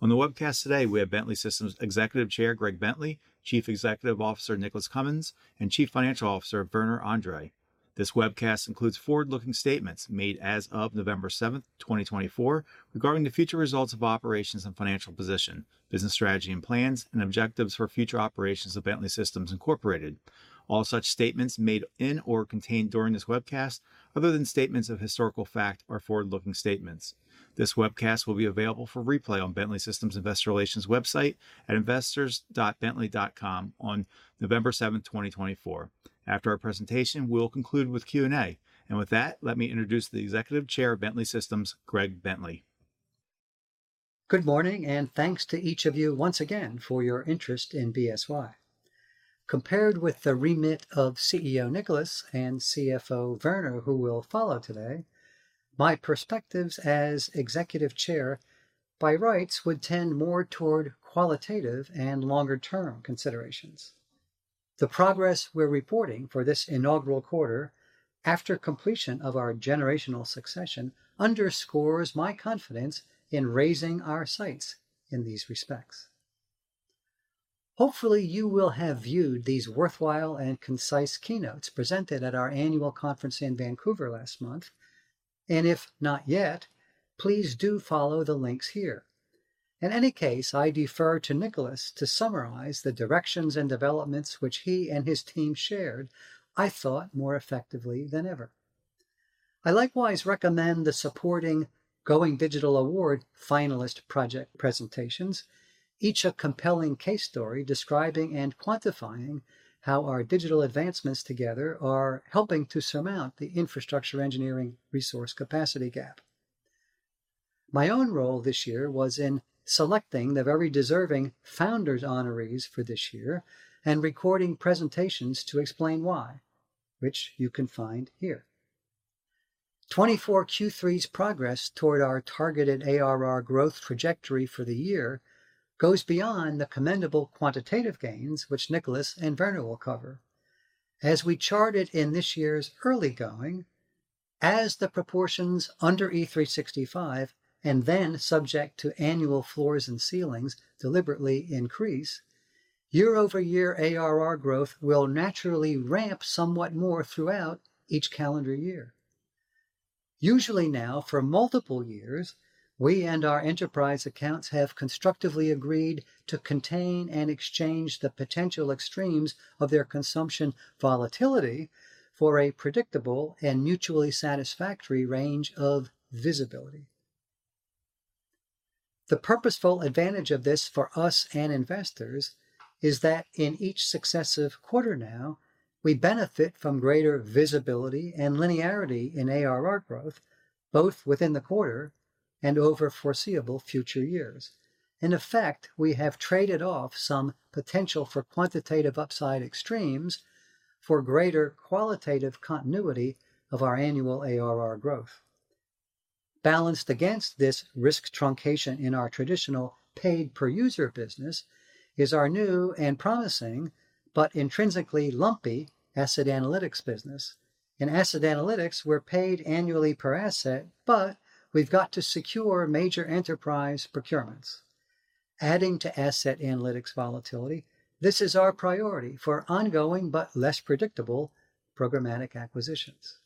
On the webcast today, we have Bentley Systems Executive Chair Greg Bentley, Chief Executive Officer Nicholas Cumins, and Chief Financial Officer Werner Andre. This webcast includes forward-looking statements made as of November 7, 2024, regarding the future results of operations and financial position, business strategy and plans, and objectives for future operations of Bentley Systems Incorporated. All such statements made in or contained during this webcast, other than statements of historical fact, are forward-looking statements. This webcast will be available for replay on Bentley Systems Investor Relations website at investors.bentley.com on November 7, 2024. After our presentation, we'll conclude with Q&A, and with that, let me introduce the Executive Chair of Bentley Systems, Greg Bentley. Good morning, and thanks to each of you once again for your interest in BSY. Compared with the remit of CEO Nicholas and CFO Werner, who will follow today, my perspectives as Executive Chair, by rights, would tend more toward qualitative and longer-term considerations. The progress we're reporting for this inaugural quarter, after completion of our generational succession, underscores my confidence in raising our sights in these respects. Hopefully, you will have viewed these worthwhile and concise keynotes presented at our annual conference in Vancouver last month, and if not yet, please do follow the links here. In any case, I defer to Nicholas to summarize the directions and developments which he and his team shared, I thought, more effectively than ever. I likewise recommend the supporting Going Digital Award finalist project presentations, each a compelling case story describing and quantifying how our digital advancements together are helping to surmount the infrastructure engineering resource capacity gap. My own role this year was in selecting the very deserving founders honorees for this year and recording presentations to explain why, which you can find here. 24Q3's progress toward our targeted ARR growth trajectory for the year goes beyond the commendable quantitative gains, which Nicholas and Werner will cover. As we charted in this year's early going, as the proportions under E365 and then subject to annual floors and ceilings deliberately increase, year-over-year ARR growth will naturally ramp somewhat more throughout each calendar year. Usually now, for multiple years, we and our enterprise accounts have constructively agreed to contain and exchange the potential extremes of their consumption volatility for a predictable and mutually satisfactory range of visibility. The purposeful advantage of this for us and investors is that in each successive quarter now, we benefit from greater visibility and linearity in ARR growth, both within the quarter and over foreseeable future years. In effect, we have traded off some potential for quantitative upside extremes for greater qualitative continuity of our annual ARR growth. Balanced against this risk truncation in our traditional paid-per-user business is our new and promising but intrinsically lumpy asset analytics business. In asset analytics, we're paid annually per asset, but we've got to secure major enterprise procurements. Adding to asset analytics volatility, this is our priority for ongoing but less predictable programmatic acquisitions.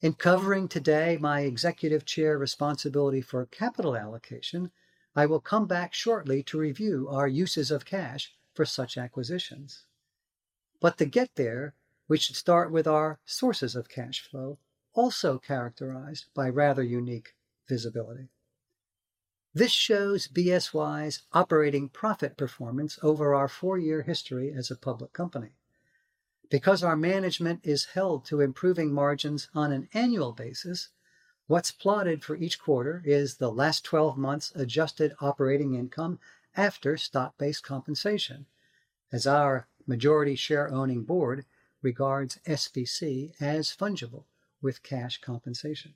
In covering today my Executive Chair responsibility for capital allocation, I will come back shortly to review our uses of cash for such acquisitions. But to get there, we should start with our sources of cash flow, also characterized by rather unique visibility. This shows BSY's operating profit performance over our four-year history as a public company. Because our management is held to improving margins on an annual basis, what's plotted for each quarter is the last 12 months' adjusted operating income after stock-based compensation, as our majority share-owning board regards SBC as fungible with cash compensation.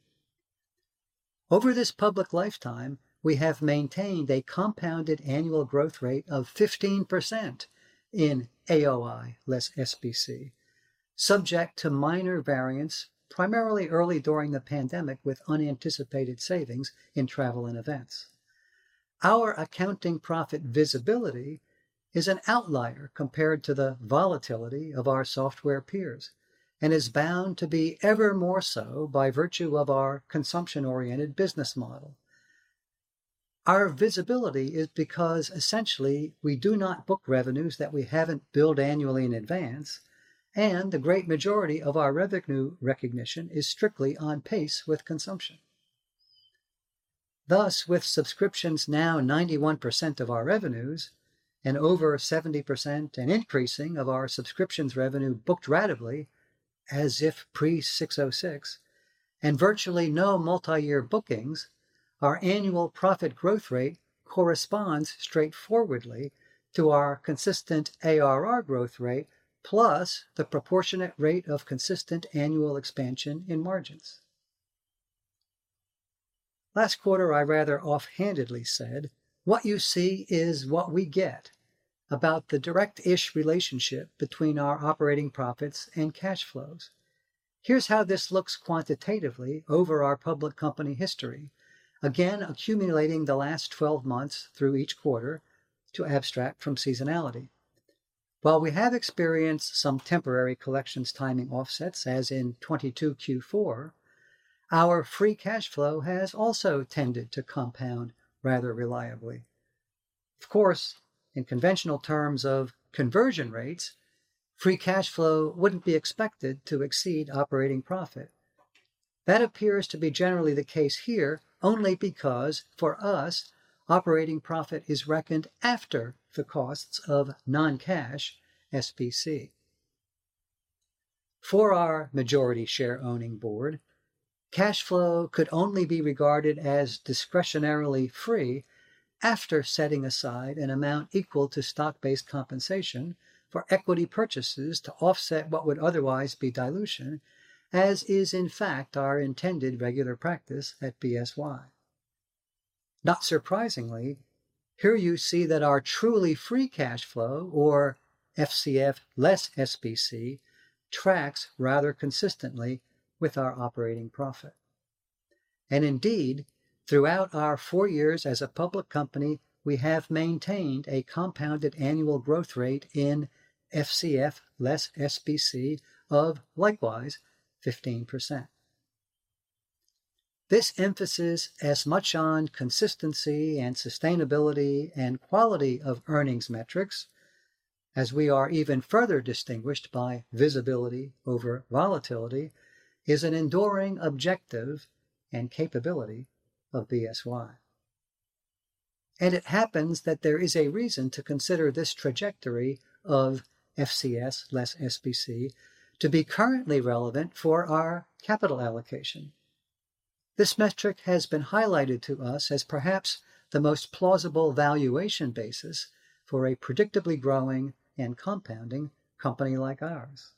Over this public lifetime, we have maintained a compounded annual growth rate of 15% in AOI less SBC, subject to minor variants, primarily early during the pandemic with unanticipated savings in travel and events. Our accounting profit visibility is an outlier compared to the volatility of our software peers and is bound to be ever more so by virtue of our consumption-oriented business model. Our visibility is because, essentially, we do not book revenues that we haven't billed annually in advance, and the great majority of our revenue recognition is strictly on pace with consumption. Thus, with subscriptions now 91% of our revenues and over 70% and increasing of our subscriptions revenue booked ratably, as if pre-606, and virtually no multi-year bookings, our annual profit growth rate corresponds straightforwardly to our consistent ARR growth rate plus the proportionate rate of consistent annual expansion in margins. Last quarter, I rather offhandedly said, "What you see is what we get about the direct-ish relationship between our operating profits and cash flows." Here's how this looks quantitatively over our public company history, again accumulating the last 12 months through each quarter to abstract from seasonality. While we have experienced some temporary collections timing offsets as in 22Q4, our free cash flow has also tended to compound rather reliably. Of course, in conventional terms of conversion rates, free cash flow wouldn't be expected to exceed operating profit. That appears to be generally the case here only because, for us, operating profit is reckoned after the costs of non-cash SBC. For our majority share-owning board, cash flow could only be regarded as discretionarily free after setting aside an amount equal to stock-based compensation for equity purchases to offset what would otherwise be dilution, as is in fact our intended regular practice at BSY. Not surprisingly, here you see that our truly free cash flow, or FCF less SBC, tracks rather consistently with our operating profit, and indeed, throughout our four years as a public company, we have maintained a compounded annual growth rate in FCF less SBC of likewise 15%. This emphasis as much on consistency and sustainability and quality of earnings metrics, as we are even further distinguished by visibility over volatility, is an enduring objective and capability of BSY, and it happens that there is a reason to consider this trajectory of FCF less SBC to be currently relevant for our capital allocation. This metric has been highlighted to us as perhaps the most plausible valuation basis for a predictably growing and compounding company like ours.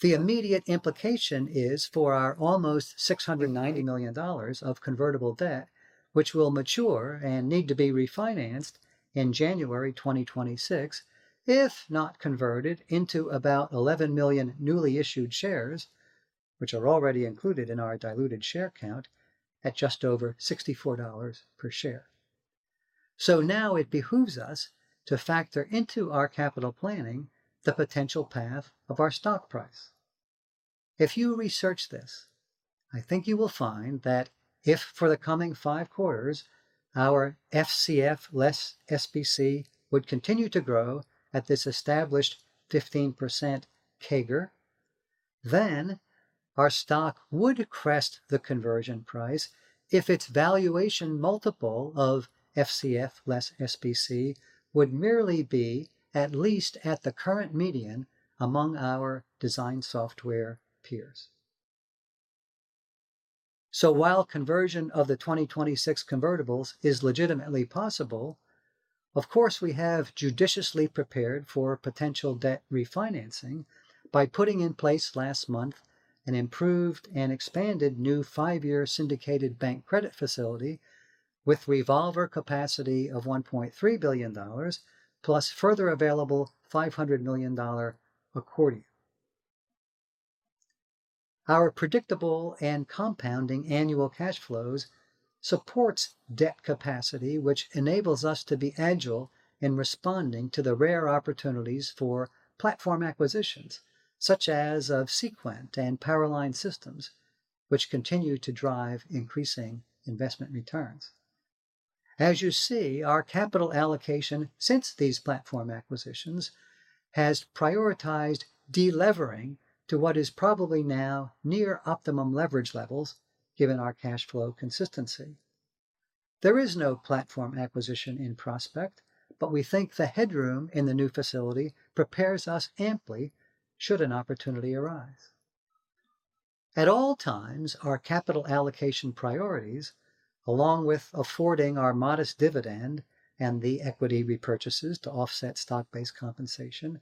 The immediate implication is for our almost $690 million of convertible debt, which will mature and need to be refinanced in January 2026, if not converted into about 11 million newly issued shares, which are already included in our diluted share count at just over $64 per share. So now it behooves us to factor into our capital planning the potential path of our stock price. If you research this, I think you will find that if for the coming five quarters our FCF less SBC would continue to grow at this established 15% CAGR, then our stock would crest the conversion price if its valuation multiple of FCF less SBC would merely be at least at the current median among our design software peers. While conversion of the 2026 convertibles is legitimately possible, of course, we have judiciously prepared for potential debt refinancing by putting in place last month an improved and expanded new five-year syndicated bank credit facility with revolver capacity of $1.3 billion plus further available $500 million accordion. Our predictable and compounding annual cash flows support debt capacity, which enables us to be agile in responding to the rare opportunities for platform acquisitions, such as of Seequent and Power Line Systems, which continue to drive increasing investment returns. As you see, our capital allocation since these platform acquisitions has prioritized delevering to what is probably now near optimum leverage levels, given our cash flow consistency. There is no platform acquisition in prospect, but we think the headroom in the new facility prepares us amply should an opportunity arise. At all times, our capital allocation priorities, along with affording our modest dividend and the equity repurchases to offset stock-based compensation,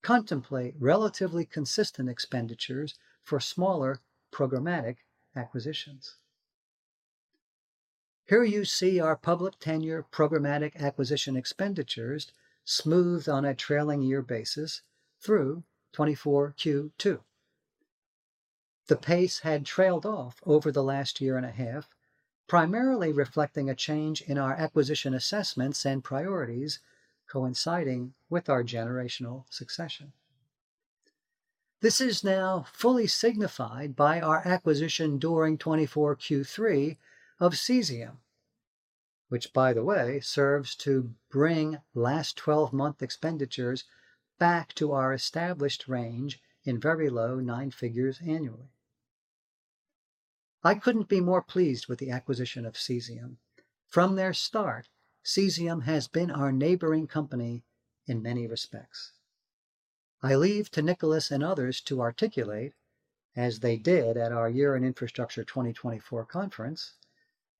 contemplate relatively consistent expenditures for smaller programmatic acquisitions. Here you see our public ten-year programmatic acquisition expenditures smoothed on a trailing year basis through 24Q2. The pace had trailed off over the last year and a half, primarily reflecting a change in our acquisition assessments and priorities coinciding with our generational succession. This is now fully signified by our acquisition during 24Q3 of Cesium, which, by the way, serves to bring last 12-month expenditures back to our established range in very low nine figures annually. I couldn't be more pleased with the acquisition of Cesium. From their start, Cesium has been our neighboring company in many respects. I leave to Nicholas and others to articulate, as they did at our Year in Infrastructure 2024 conference,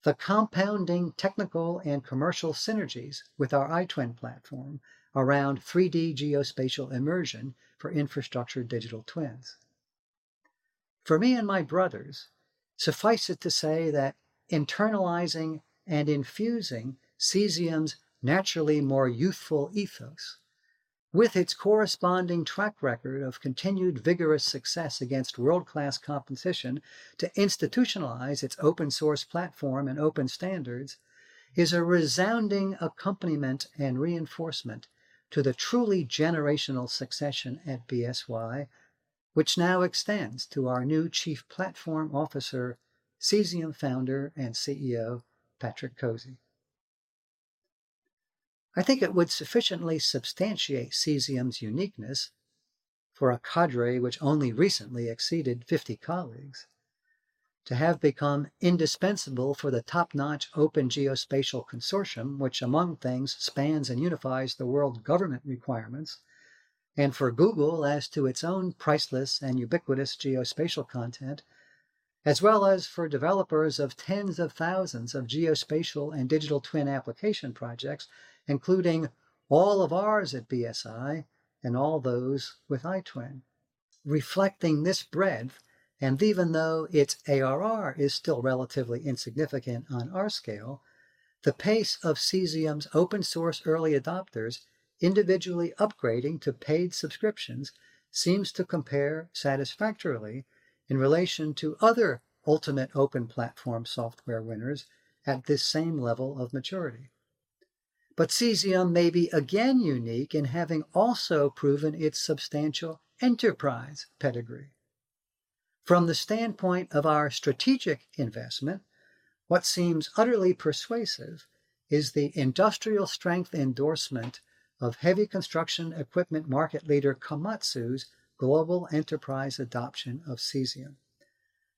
the compounding technical and commercial synergies with our iTwin platform around 3D geospatial immersion for infrastructure digital twins. For me and my brothers, suffice it to say that internalizing and infusing Cesium's naturally more youthful ethos, with its corresponding track record of continued vigorous success against world-class competition to institutionalize its open-source platform and open standards, is a resounding accompaniment and reinforcement to the truly generational succession at BSY, which now extends to our new Chief Platform Officer, Cesium founder and CEO, Patrick Cozzi. I think it would sufficiently substantiate Cesium's uniqueness for a cadre which only recently exceeded 50 colleagues to have become indispensable for the top-notch Open Geospatial Consortium, which, among things, spans and unifies the world government requirements and for Google as to its own priceless and ubiquitous geospatial content, as well as for developers of tens of thousands of geospatial and digital twin application projects, including all of ours at BSY and all those with iTwin. Reflecting this breadth, and even though its ARR is still relatively insignificant on our scale, the pace of Cesium's open-source early adopters individually upgrading to paid subscriptions seems to compare satisfactorily in relation to other ultimate open platform software winners at this same level of maturity. But Cesium may be again unique in having also proven its substantial enterprise pedigree. From the standpoint of our strategic investment, what seems utterly persuasive is the industrial strength endorsement of heavy construction equipment market leader Komatsu's global enterprise adoption of Cesium.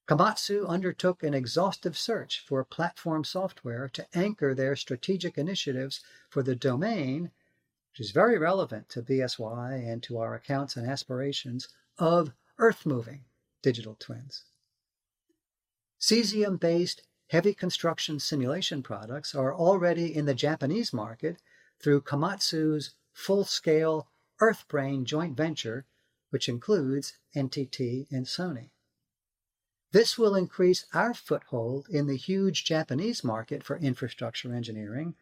Komatsu undertook an exhaustive search for platform software to anchor their strategic initiatives for the domain, which is very relevant to BSY and to our accounts and aspirations of earth-moving digital twins. Cesium-based heavy construction simulation products are already in the Japanese market through Komatsu's full-scale EarthBrain joint venture, which includes NTT and Sony. This will increase our foothold in the huge Japanese market for infrastructure engineering,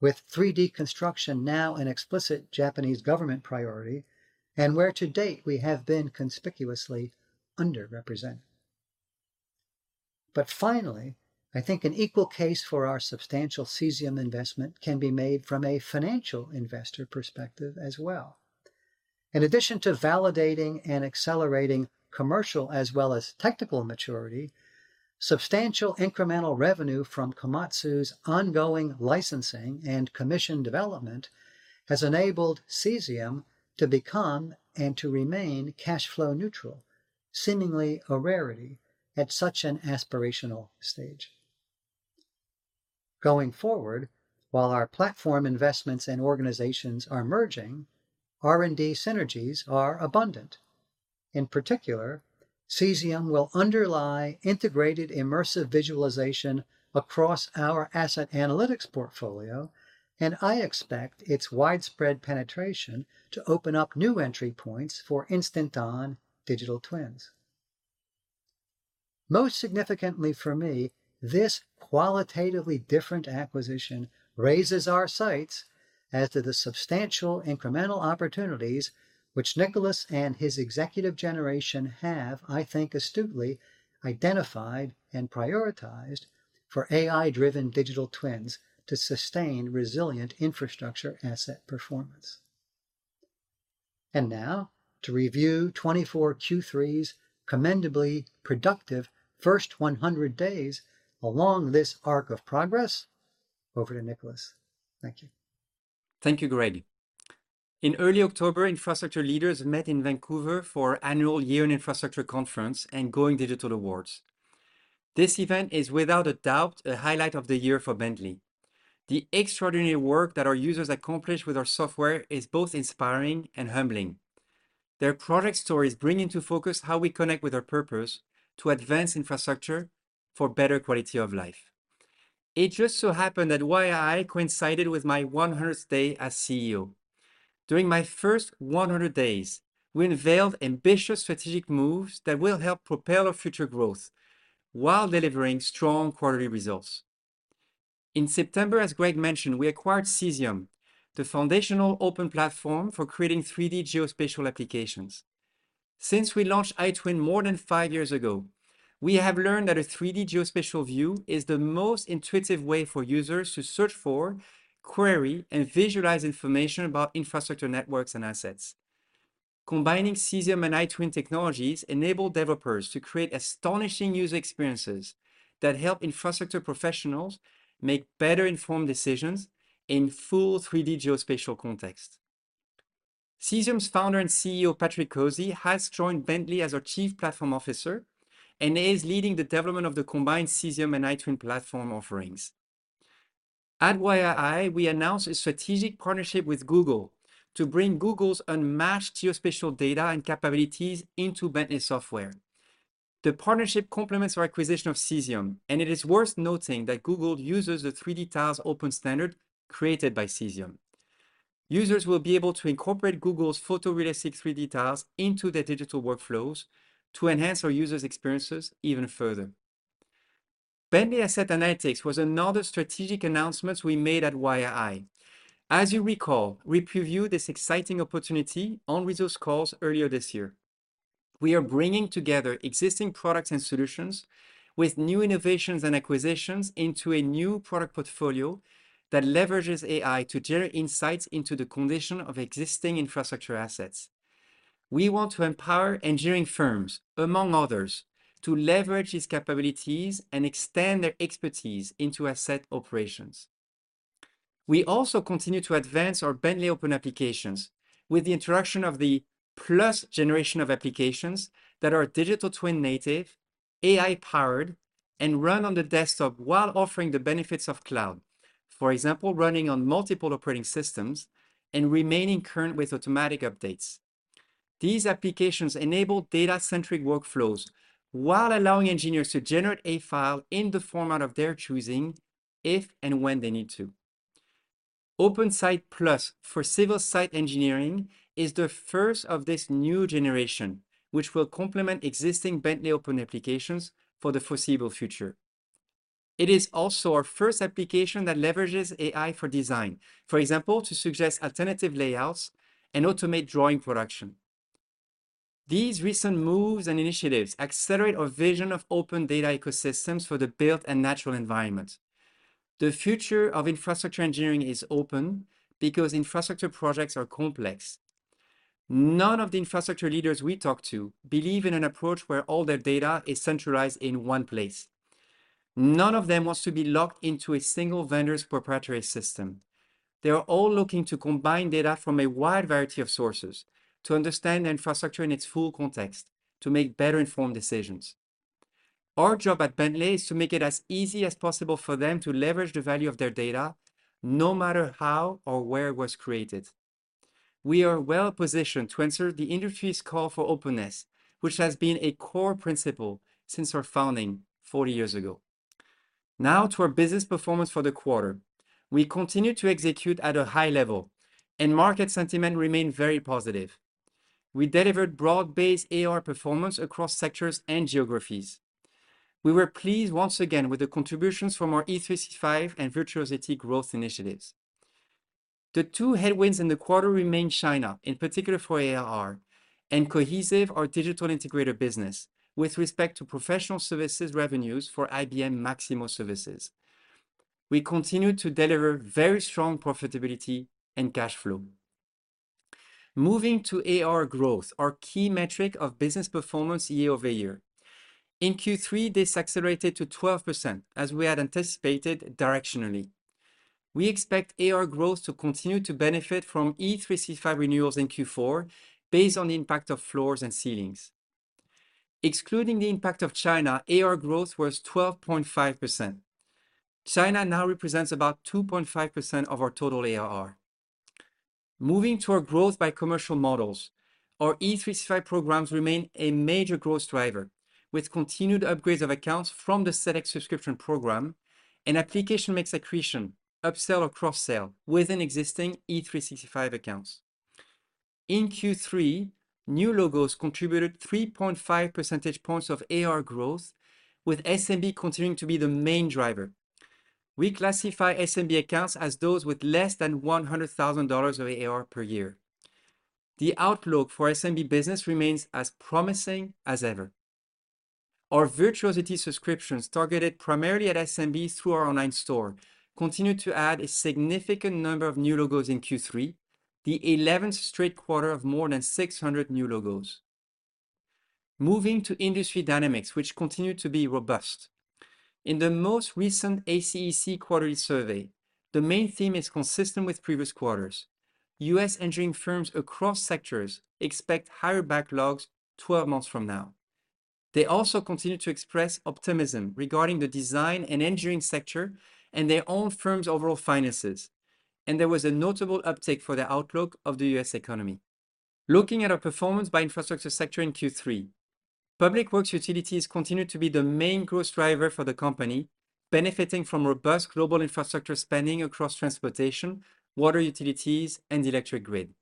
with 3D construction now an explicit Japanese government priority and where to date we have been conspicuously underrepresented. But finally, I think an equal case for our substantial Cesium investment can be made from a financial investor perspective as well. In addition to validating and accelerating commercial as well as technical maturity, substantial incremental revenue from Komatsu's ongoing licensing and commission development has enabled Cesium to become and to remain cash flow neutral, seemingly a rarity at such an aspirational stage. Going forward, while our platform investments and organizations are merging, R&D synergies are abundant. In particular, Cesium will underlie integrated immersive visualization across our asset analytics portfolio, and I expect its widespread penetration to open up new entry points for instant-on digital twins. Most significantly for me, this qualitatively different acquisition raises our sights as to the substantial incremental opportunities which Nicholas and his executive generation have, I think astutely, identified and prioritized for AI-driven digital twins to sustain resilient infrastructure asset performance. And now, to review 24Q3's commendably productive first 100 days along this arc of progress, over to Nicholas. Thank you. Thank you, Gregory. In early October, infrastructure leaders met in Vancouver for annual Year in Infrastructure Conference and Going Digital Awards. This event is, without a doubt, a highlight of the year for Bentley. The extraordinary work that our users accomplish with our software is both inspiring and humbling. Their product stories bring into focus how we connect with our purpose to advance infrastructure for better quality of life. It just so happened that YII coincided with my 100th day as CEO. During my first 100 days, we unveiled ambitious strategic moves that will help propel our future growth while delivering strong quarterly results. In September, as Greg mentioned, we acquired Cesium, the foundational open platform for creating 3D geospatial applications. Since we launched iTwin more than five years ago, we have learned that a 3D geospatial view is the most intuitive way for users to search for, query, and visualize information about infrastructure networks and assets. Combining Cesium and iTwin technologies enables developers to create astonishing user experiences that help infrastructure professionals make better-informed decisions in full 3D geospatial context. Cesium's founder and CEO, Patrick Cozzi, has joined Bentley as our Chief Platform Officer and is leading the development of the combined Cesium and iTwin platform offerings. At YII, we announced a strategic partnership with Google to bring Google's unmatched geospatial data and capabilities into Bentley's software. The partnership complements our acquisition of Cesium, and it is worth noting that Google uses the 3D Tiles open standard created by Cesium. Users will be able to incorporate Google's photorealistic 3D Tiles into their digital workflows to enhance our users' experiences even further. Bentley Asset Analytics was another strategic announcement we made at YII. As you recall, we previewed this exciting opportunity on earnings calls earlier this year. We are bringing together existing products and solutions with new innovations and acquisitions into a new product portfolio that leverages AI to generate insights into the condition of existing infrastructure assets. We want to empower engineering firms, among others, to leverage these capabilities and extend their expertise into asset operations. We also continue to advance our Bentley open applications with the introduction of the Plus generation of applications that are digital twin native, AI-powered, and run on the desktop while offering the benefits of cloud, for example, running on multiple operating systems and remaining current with automatic updates. These applications enable data-centric workflows while allowing engineers to generate a file in the format of their choosing if and when they need to. OpenSite+ for civil site engineering is the first of this new generation, which will complement existing Bentley open applications for the foreseeable future. It is also our first application that leverages AI for design, for example, to suggest alternative layouts and automate drawing production. These recent moves and initiatives accelerate our vision of open data ecosystems for the built and natural environment. The future of infrastructure engineering is open because infrastructure projects are complex. None of the infrastructure leaders we talk to believe in an approach where all their data is centralized in one place. None of them wants to be locked into a single vendor's proprietary system. They are all looking to combine data from a wide variety of sources to understand the infrastructure in its full context to make better-informed decisions. Our job at Bentley is to make it as easy as possible for them to leverage the value of their data no matter how or where it was created. We are well-positioned to answer the industry's call for openness, which has been a core principle since our founding 40 years ago. Now, to our business performance for the quarter, we continue to execute at a high level, and market sentiment remained very positive. We delivered broad-based ARR performance across sectors and geographies. We were pleased once again with the contributions from our E365 and Virtuosity growth initiatives. The two headwinds in the quarter remain China, in particular for ARR and Cohesive, our digital integrator business, with respect to professional services revenues for IBM Maximo Services. We continue to deliver very strong profitability and cash flow. Moving to ARR growth, our key metric of business performance year over year. In Q3, this accelerated to 12%, as we had anticipated directionally. We expect ARR growth to continue to benefit from E365 renewals in Q4 based on the impact of floors and ceilings. Excluding the impact of China, ARR growth was 12.5%. China now represents about 2.5% of our total ARR. Moving to our growth by commercial models, our E365 programs remain a major growth driver with continued upgrades of accounts from the SELECT subscription program and application mix accretion, upsell or cross-sell within existing E365 accounts. In Q3, new logos contributed 3.5 percentage points of AR growth, with SMB continuing to be the main driver. We classify SMB accounts as those with less than $100,000 of AR per year. The outlook for SMB business remains as promising as ever. Our Virtuosity subscriptions targeted primarily at SMBs through our online store continue to add a significant number of new logos in Q3, the 11th straight quarter of more than 600 new logos. Moving to industry dynamics, which continue to be robust. In the most recent ACEC quarterly survey, the main theme is consistent with previous quarters. U.S. engineering firms across sectors expect higher backlogs 12 months from now. They also continue to express optimism regarding the design and engineering sector and their own firm's overall finances, and there was a notable uptake for the outlook of the U.S. economy. Looking at our performance by infrastructure sector in Q3, public works utilities continue to be the main growth driver for the company, benefiting from robust global infrastructure spending across transportation, water utilities, and the electric grid.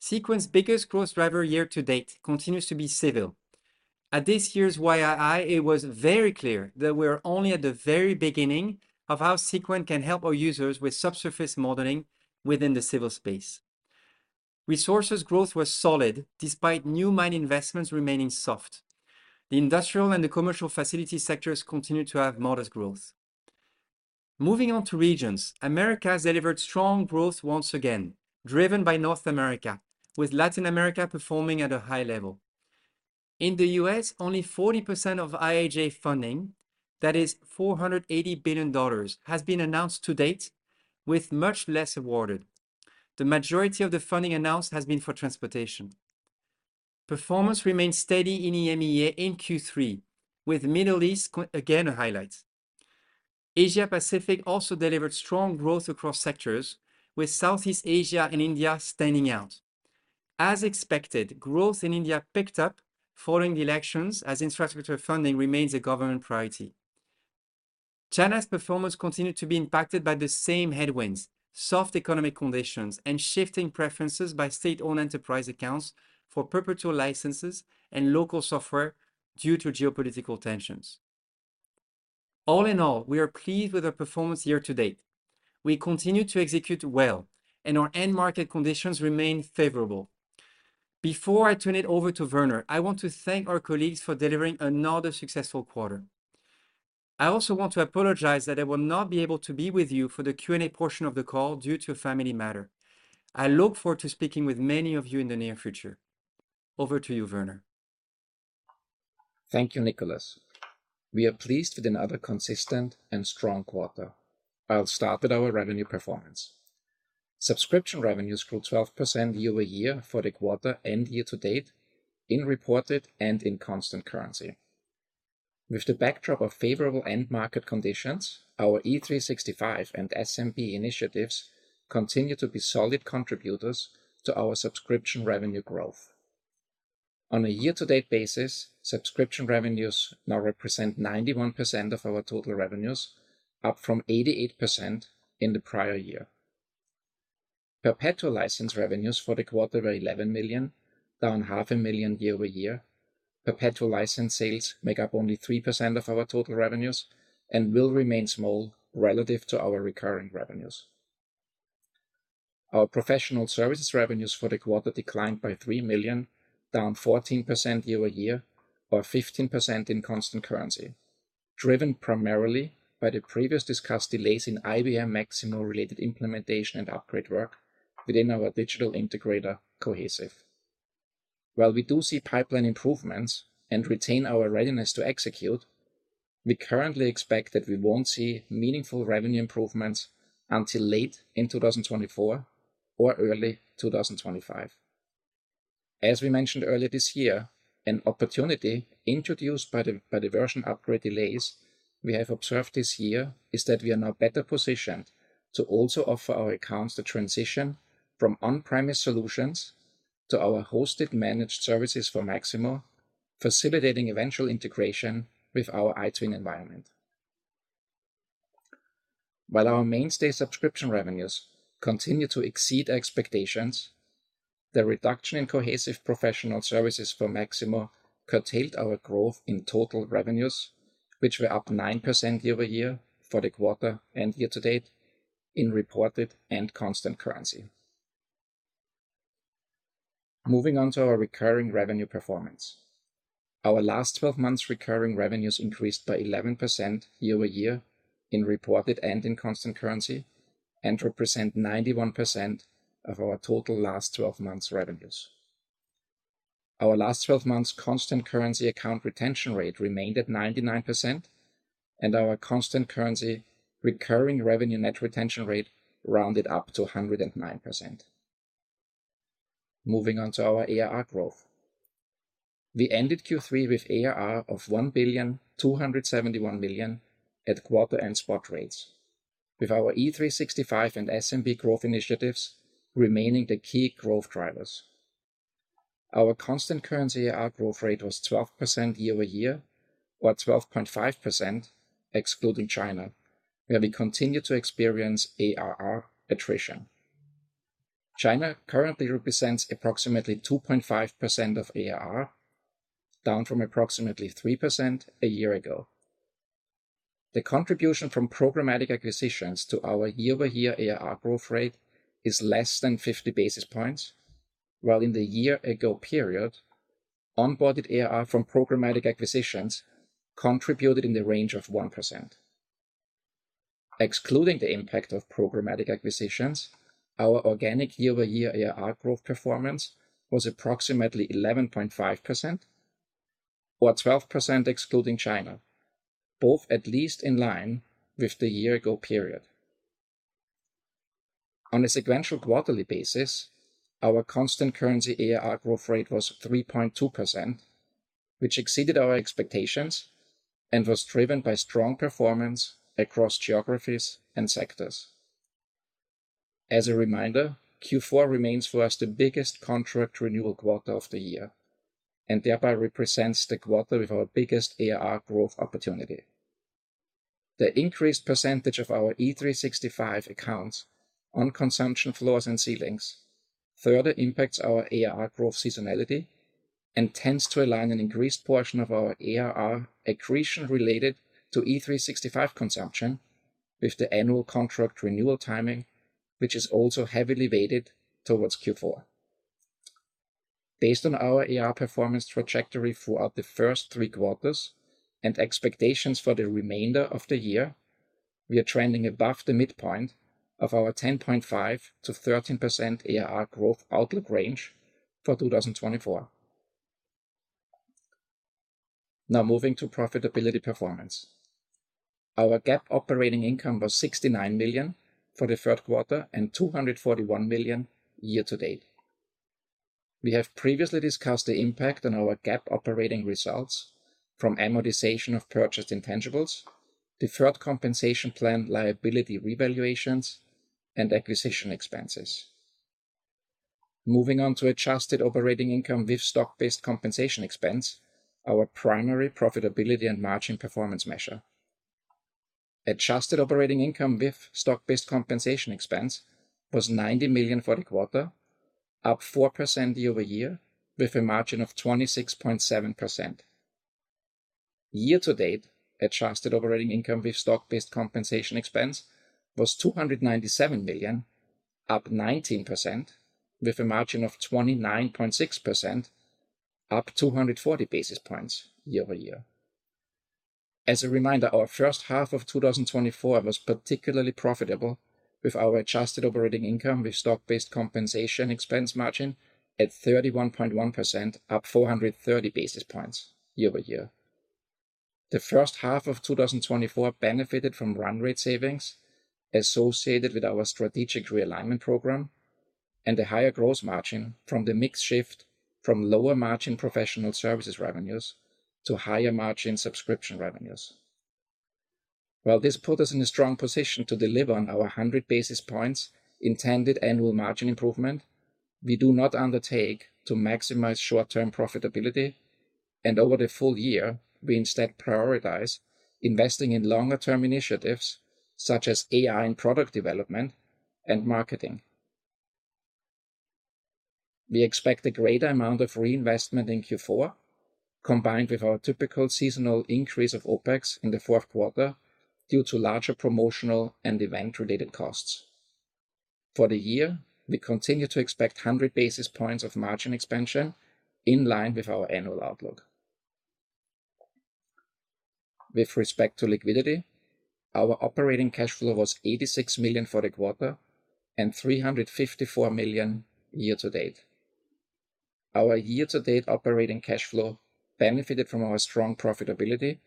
Seequent's biggest growth driver year to date continues to be civil. At this year's YII, it was very clear that we are only at the very beginning of how Seequent can help our users with subsurface modeling within the civil space. Resources growth was solid despite new mine investments remaining soft. The industrial and the commercial facility sectors continue to have modest growth. Moving on to regions, America has delivered strong growth once again, driven by North America, with Latin America performing at a high level. In the U.S., only 40% of IIJA funding, that is $480 billion, has been announced to date, with much less awarded. The majority of the funding announced has been for transportation. Performance remained steady in EMEA in Q3, with Middle East again a highlight. Asia-Pacific also delivered strong growth across sectors, with Southeast Asia and India standing out. As expected, growth in India picked up following the elections as infrastructure funding remains a government priority. China's performance continued to be impacted by the same headwinds, soft economic conditions, and shifting preferences by state-owned enterprise accounts for perpetual licenses and local software due to geopolitical tensions. All in all, we are pleased with our performance year to date. We continue to execute well, and our end market conditions remain favorable. Before I turn it over to Werner, I want to thank our colleagues for delivering another successful quarter. I also want to apologize that I will not be able to be with you for the Q&A portion of the call due to a family matter. I look forward to speaking with many of you in the near future. Over to you, Werner. Thank you, Nicholas. We are pleased with another consistent and strong quarter. I'll start with our revenue performance. Subscription revenues grew 12% year over year for the quarter and year to date in reported and in constant currency. With the backdrop of favorable end market conditions, our E365 and SMB initiatives continue to be solid contributors to our subscription revenue growth. On a year-to-date basis, subscription revenues now represent 91% of our total revenues, up from 88% in the prior year. Perpetual license revenues for the quarter were $11 million, down $500,000 year over year. Perpetual license sales make up only 3% of our total revenues and will remain small relative to our recurring revenues. Our professional services revenues for the quarter declined by $3 million, down 14% year over year, or 15% in constant currency, driven primarily by the previously discussed delays in IBM Maximo-related implementation and upgrade work within our digital integrator, Cohesive. While we do see pipeline improvements and retain our readiness to execute, we currently expect that we won't see meaningful revenue improvements until late in 2024 or early 2025. As we mentioned earlier this year, an opportunity introduced by the version upgrade delays we have observed this year is that we are now better positioned to also offer our accounts the transition from on-premise solutions to our hosted managed services for Maximo, facilitating eventual integration with our iTwin environment. While our mainstay subscription revenues continue to exceed expectations, the reduction in Cohesive professional services for Maximo curtailed our growth in total revenues, which were up 9% year over year for the quarter and year to date in reported and constant currency. Moving on to our recurring revenue performance. Our last 12 months' recurring revenues increased by 11% year over year in reported and in constant currency and represent 91% of our total last 12 months' revenues. Our last 12 months' constant currency account retention rate remained at 99%, and our constant currency recurring revenue net retention rate rounded up to 109%. Moving on to our ARR growth. We ended Q3 with ARR of $1,271 million at quarter-end spot rates, with our E365 and SMB growth initiatives remaining the key growth drivers. Our constant currency ARR growth rate was 12% year over year, or 12.5% excluding China, where we continue to experience ARR attrition. China currently represents approximately 2.5% of ARR, down from approximately 3% a year ago. The contribution from programmatic acquisitions to our year-over-year ARR growth rate is less than 50 basis points, while in the year-ago period, onboarded ARR from programmatic acquisitions contributed in the range of 1%. Excluding the impact of programmatic acquisitions, our organic year-over-year ARR growth performance was approximately 11.5%, or 12% excluding China, both at least in line with the year-ago period. On a sequential quarterly basis, our constant currency ARR growth rate was 3.2%, which exceeded our expectations and was driven by strong performance across geographies and sectors. As a reminder, Q4 remains for us the biggest contract renewal quarter of the year and thereby represents the quarter with our biggest ARR growth opportunity. The increased percentage of our E365 accounts on consumption floors and ceilings further impacts our ARR growth seasonality and tends to align an increased portion of our ARR accretion related to E365 consumption with the annual contract renewal timing, which is also heavily weighted towards Q4. Based on our ARR performance trajectory throughout the first three quarters and expectations for the remainder of the year, we are trending above the midpoint of our 10.5%-13% ARR growth outlook range for 2024. Now moving to profitability performance. Our GAAP operating income was $69 million for the third quarter and $241 million year to date. We have previously discussed the impact on our GAAP operating results from amortization of purchased intangibles, deferred compensation plan liability revaluations, and acquisition expenses. Moving on to adjusted operating income with stock-based compensation expense, our primary profitability and margin performance measure. Adjusted operating income with stock-based compensation expense was $90 million for the quarter, up 4% year over year with a margin of 26.7%. Year to date, adjusted operating income with stock-based compensation expense was $297 million, up 19% with a margin of 29.6%, up 240 basis points year over year. As a reminder, our first half of 2024 was particularly profitable with our adjusted operating income with stock-based compensation expense margin at 31.1%, up 430 basis points year over year. The first half of 2024 benefited from run rate savings associated with our strategic realignment program and a higher gross margin from the mix shift from lower margin professional services revenues to higher margin subscription revenues. While this put us in a strong position to deliver on our 100 basis points intended annual margin improvement, we do not undertake to maximize short-term profitability, and over the full year, we instead prioritize investing in longer-term initiatives such as AI and product development and marketing. We expect a greater amount of reinvestment in Q4, combined with our typical seasonal increase of OpEx in the fourth quarter due to larger promotional and event-related costs. For the year, we continue to expect 100 basis points of margin expansion in line with our annual outlook. With respect to liquidity, our operating cash flow was $86 million for the quarter and $354 million year to date. Our year-to-date operating cash flow benefited from our strong profitability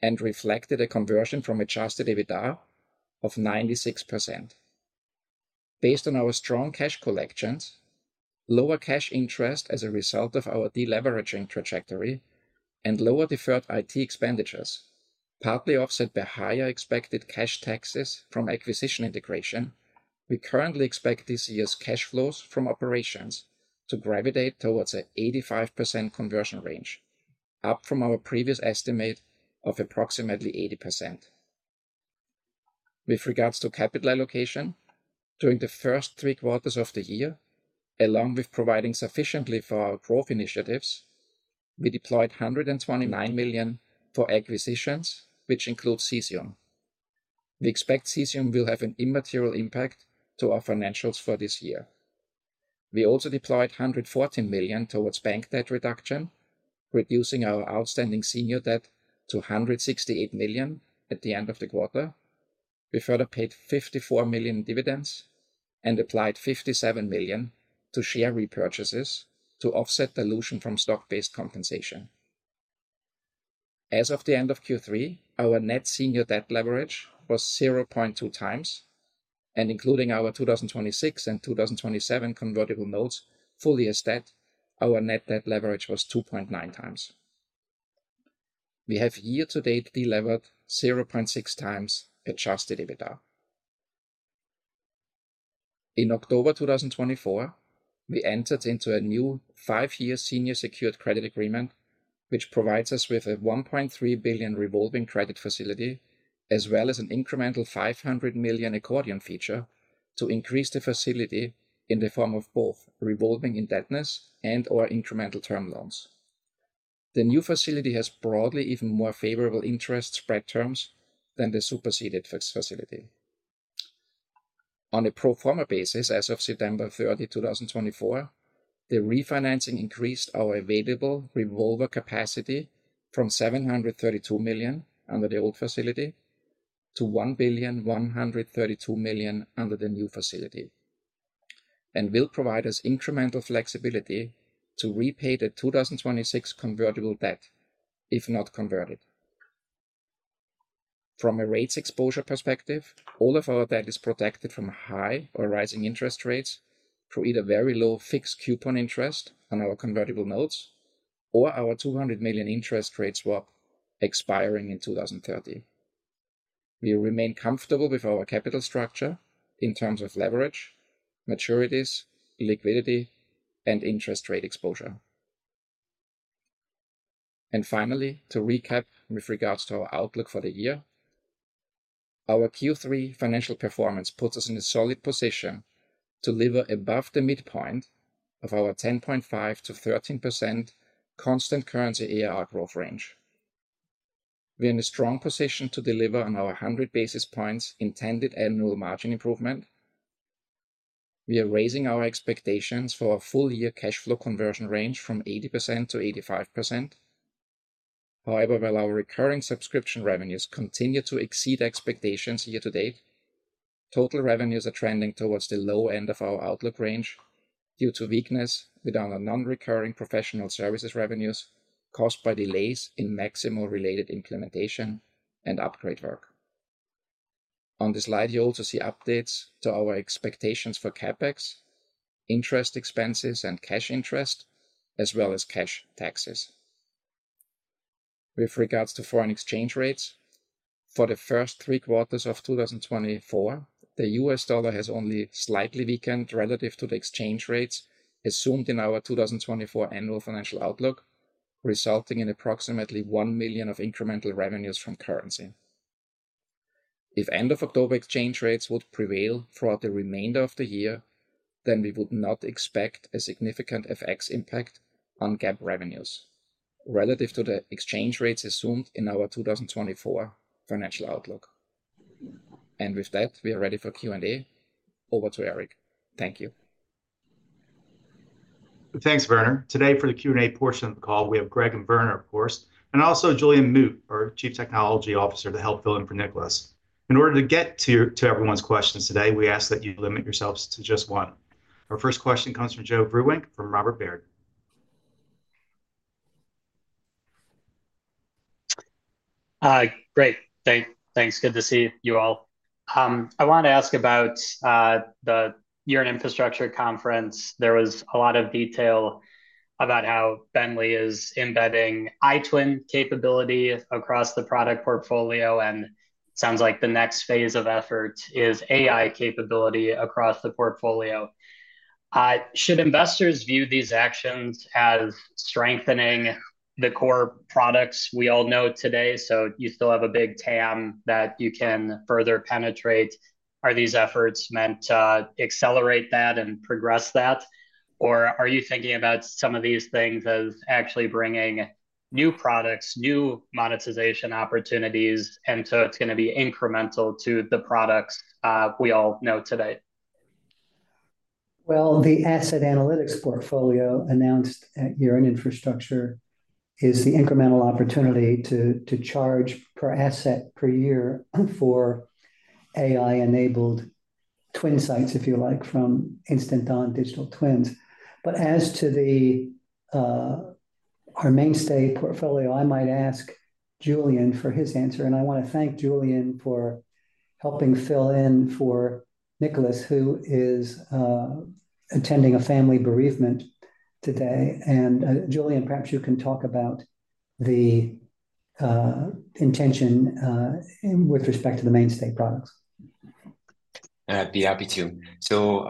and reflected a conversion from adjusted EBITDA of 96%. Based on our strong cash collections, lower cash interest as a result of our deleveraging trajectory, and lower deferred IT expenditures, partly offset by higher expected cash taxes from acquisition integration, we currently expect this year's cash flows from operations to gravitate towards an 85% conversion range, up from our previous estimate of approximately 80%. With regards to capital allocation, during the first three quarters of the year, along with providing sufficiently for our growth initiatives, we deployed $129 million for acquisitions, which includes Cesium. We expect Cesium will have an immaterial impact to our financials for this year. We also deployed $114 million towards bank debt reduction, reducing our outstanding senior debt to $168 million at the end of the quarter. We further paid $54 million in dividends and applied $57 million to share repurchases to offset dilution from stock-based compensation. As of the end of Q3, our net senior debt leverage was 0.2 times, and including our 2026 and 2027 convertible notes fully as debt, our net debt leverage was 2.9 times. We have year-to-date delivered 0.6 times adjusted EBITDA. In October 2024, we entered into a new five-year senior secured credit agreement, which provides us with a $1.3 billion revolving credit facility, as well as an incremental $500 million accordion feature to increase the facility in the form of both revolving indebtedness and/or incremental term loans. The new facility has broadly even more favorable interest spread terms than the superseded facility. On a pro forma basis, as of September 30, 2024, the refinancing increased our available revolver capacity from $732 million under the old facility to $1,132 million under the new facility, and will provide us incremental flexibility to repay the 2026 convertible debt if not converted. From a rates exposure perspective, all of our debt is protected from high or rising interest rates through either very low fixed coupon interest on our convertible notes or our $200 million interest rate swap expiring in 2030. We remain comfortable with our capital structure in terms of leverage, maturities, liquidity, and interest rate exposure. And finally, to recap with regards to our outlook for the year, our Q3 financial performance puts us in a solid position to deliver above the midpoint of our 10.5%-13% constant currency ARR growth range. We are in a strong position to deliver on our 100 basis points intended annual margin improvement. We are raising our expectations for our full-year cash flow conversion range from 80%-85%. However, while our recurring subscription revenues continue to exceed expectations year-to-date, total revenues are trending towards the low end of our outlook range due to weakness with our non-recurring professional services revenues caused by delays in Maximo-related implementation and upgrade work. On the slide, you also see updates to our expectations for CapEx, interest expenses, and cash interest, as well as cash taxes. With regards to foreign exchange rates, for the first three quarters of 2024, the U.S. dollar has only slightly weakened relative to the exchange rates assumed in our 2024 annual financial outlook, resulting in approximately $1 million of incremental revenues from currency. If end-of-October exchange rates would prevail throughout the remainder of the year, then we would not expect a significant FX impact on GAAP revenues relative to the exchange rates assumed in our 2024 financial outlook. And with that, we are ready for Q&A. Over to Eric. Thank you. Thanks, Werner. Today, for the Q&A portion of the call, we have Greg and Werner, of course, and also Julien Moutte, our Chief Technology Officer, to help fill in for Nicholas. In order to get to everyone's questions today, we ask that you limit yourselves to just one. Our first question comes from Joe Vruwink from Robert W. Baird. Hi, great. Thanks. Good to see you all. I want to ask about the Year in Infrastructure Conference. There was a lot of detail about how Bentley is embedding iTwin capability across the product portfolio, and it sounds like the next phase of effort is AI capability across the portfolio. Should investors view these actions as strengthening the core products we all know today, so you still have a big TAM that you can further penetrate? Are these efforts meant to accelerate that and progress that, or are you thinking about some of these things as actually bringing new products, new monetization opportunities, and so it's going to be incremental to the products we all know today? Well, the asset analytics portfolio announced at Year in Infrastructure is the incremental opportunity to charge per asset per year for AI-enabled twin insights, if you like, from InstantOn Digital Twins. But as to our mainstay portfolio, I might ask Julien for his answer, and I want to thank Julien for helping fill in for Nicholas, who is attending a family bereavement today. And Julien, perhaps you can talk about the intention with respect to the mainstay products. I'd be happy to. So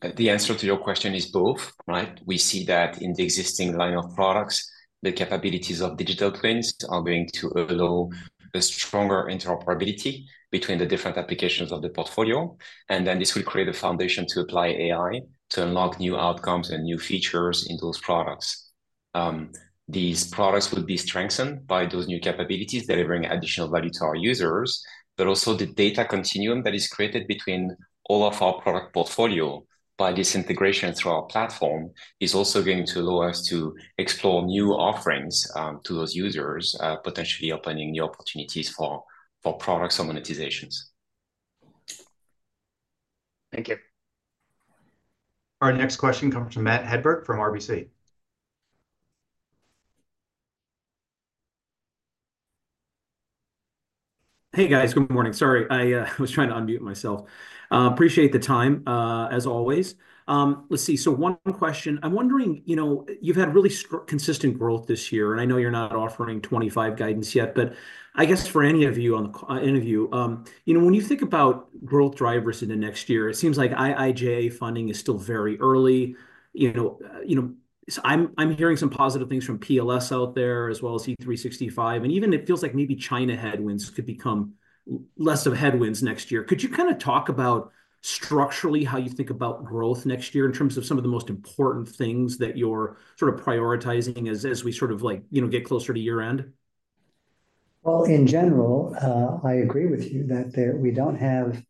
the answer to your question is both, right? We see that in the existing line of products, the capabilities of digital twins are going to allow a stronger interoperability between the different applications of the portfolio, and then this will create a foundation to apply AI to unlock new outcomes and new features in those products. These products would be strengthened by those new capabilities, delivering additional value to our users, but also the data continuum that is created between all of our product portfolio by this integration through our platform is also going to allow us to explore new offerings to those users, potentially opening new opportunities for products or monetizations. Thank you. Our next question comes from Matt Hedberg from RBC. Hey, guys. Good morning. Sorry, I was trying to unmute myself. Appreciate the time, as always. Let's see. So one question. I'm wondering, you know, you've had really consistent growth this year, and I know you're not offering '25 guidance yet, but I guess for any of you on the line, you know, when you think about growth drivers in the next year, it seems like IIJA funding is still very early. You know, I'm hearing some positive things from PLS out there as well as E365, and even it feels like maybe China headwinds could become less of headwinds next year. Could you kind of talk about structurally how you think about growth next year in terms of some of the most important things that you're sort of prioritizing as we sort of, like, you know, get closer to year-end? In general, I agree with you that we don't have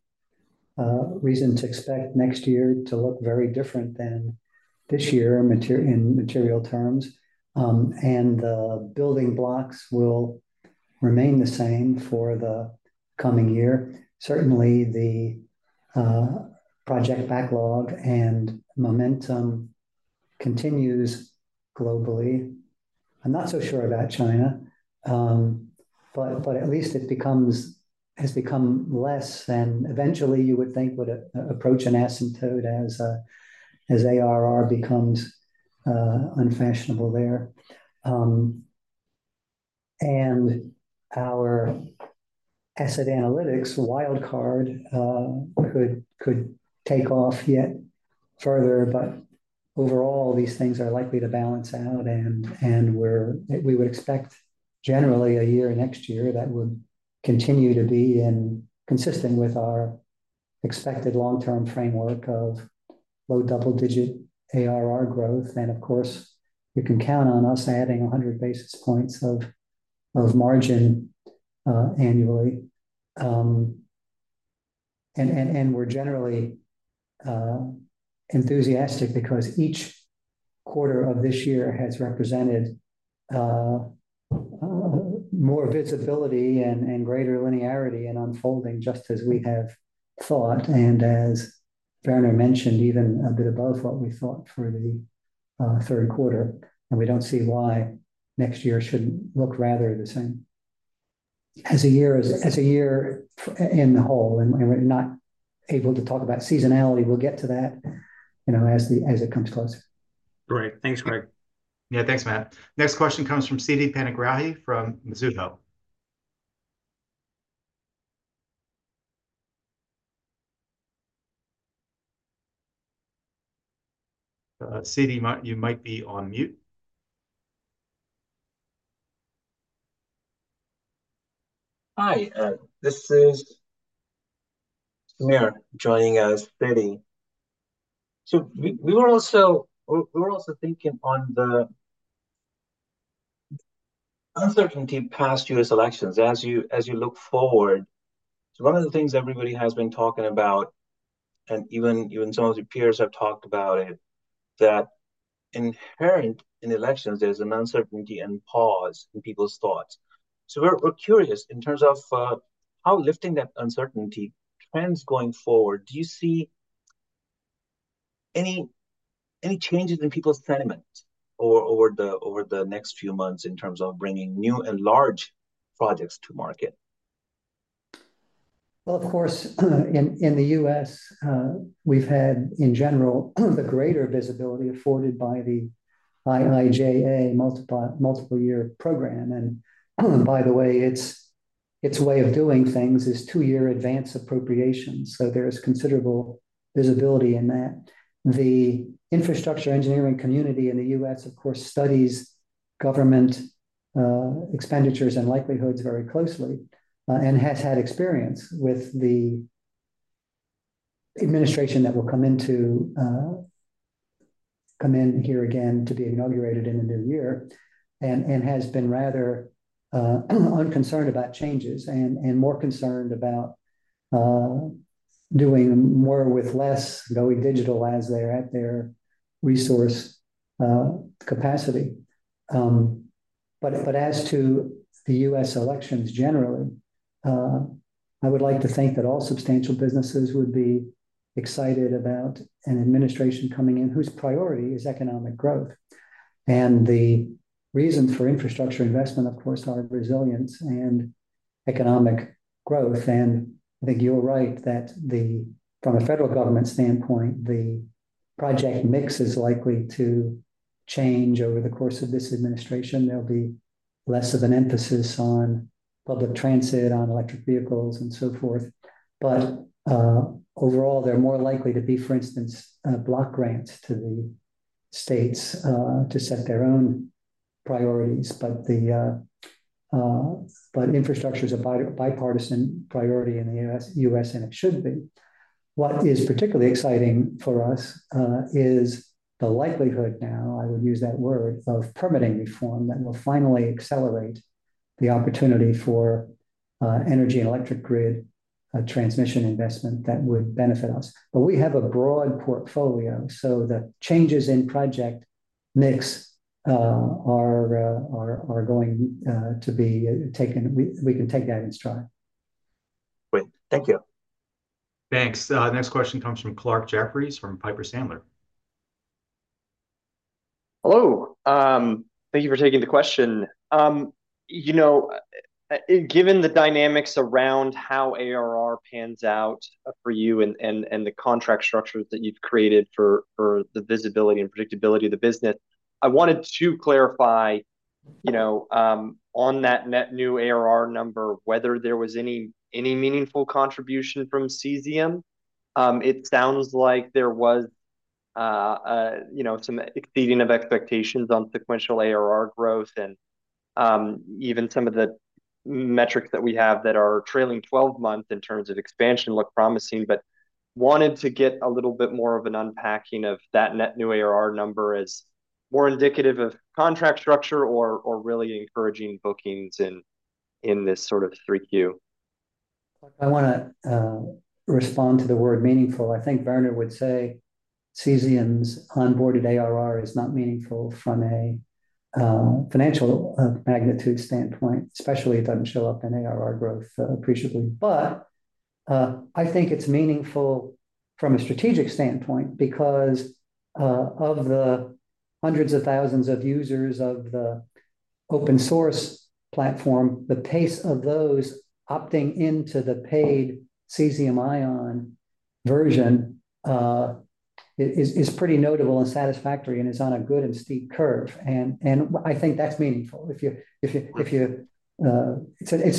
reason to expect next year to look very different than this year in material terms, and the building blocks will remain the same for the coming year. Certainly, the project backlog and momentum continue globally. I'm not so sure about China, but at least it has become less of an eventuality you would think would approach an asymptote as ARR becomes unfashionable there. And our asset analytics wildcard could take off yet further, but overall, these things are likely to balance out, and we would expect generally a year next year that would continue to be consistent with our expected long-term framework of low double-digit ARR growth. And of course, you can count on us adding 100 basis points of margin annually. We're generally enthusiastic because each quarter of this year has represented more visibility and greater linearity in unfolding, just as we have thought, and as Werner mentioned, even a bit above what we thought for the third quarter. We don't see why next year shouldn't look rather the same as a year in the whole. We're not able to talk about seasonality. We'll get to that, you know, as it comes closer. Great. Thanks, Greg. Yeah, thanks, Matt. Next question comes from Sitikantha Panigrahi from Mizuho. Sitikantha, you might be on mute. Hi. This is Samir joining us, Sitikantha. So we were also thinking on the uncertainty post U.S. elections. As you look forward, one of the things everybody has been talking about, and even some of your peers have talked about it, that inherent in elections, there's an uncertainty and pause in people's thoughts. So we're curious in terms of how lifting that uncertainty trends going forward, do you see any changes in people's sentiment over the next few months in terms of bringing new and large projects to market? Well, of course, in the U.S., we've had, in general, the greater visibility afforded by the IIJA multiple-year program. And by the way, its way of doing things is two-year advance appropriation, so there is considerable visibility in that. The infrastructure engineering community in the U.S., of course, studies government expenditures and likelihoods very closely and has had experience with the administration that will come in here again to be inaugurated in the new year and has been rather unconcerned about changes and more concerned about doing more with less, going digital as they're at their resource capacity. But as to the U.S. elections generally, I would like to think that all substantial businesses would be excited about an administration coming in whose priority is economic growth. And the reasons for infrastructure investment, of course, are resilience and economic growth. And I think you're right that from a federal government standpoint, the project mix is likely to change over the course of this administration. There'll be less of an emphasis on public transit, on electric vehicles, and so forth. But overall, they're more likely to be, for instance, block grants to the states to set their own priorities. But infrastructure is a bipartisan priority in the U.S., and it should be. What is particularly exciting for us is the likelihood now, I would use that word, of permitting reform that will finally accelerate the opportunity for energy and electric grid transmission investment that would benefit us. But we have a broad portfolio, so the changes in project mix are going to be taken. We can take that in stride. Great. Thank you. Thanks. Next question comes from Clarke Jeffries from Piper Sandler. Hello. Thank you for taking the question. You know, given the dynamics around how ARR pans out for you and the contract structures that you've created for the visibility and predictability of the business, I wanted to clarify, you know, on that net new ARR number, whether there was any meaningful contribution from Cesium. It sounds like there was, you know, some exceeding of expectations on sequential ARR growth, and even some of the metrics that we have that are trailing 12 months in terms of expansion look promising, but wanted to get a little bit more of an unpacking of that net new ARR number as more indicative of contract structure or really encouraging bookings in this sort of Q3. I want to respond to the word meaningful. I think Werner would say Cesium's onboarded ARR is not meaningful from a financial magnitude standpoint, especially it doesn't show up in ARR growth appreciably. But I think it's meaningful from a strategic standpoint because of the hundreds of thousands of users of the open-source platform, the pace of those opting into the paid Cesium ion version is pretty notable and satisfactory and is on a good and steep curve, and I think that's meaningful. It's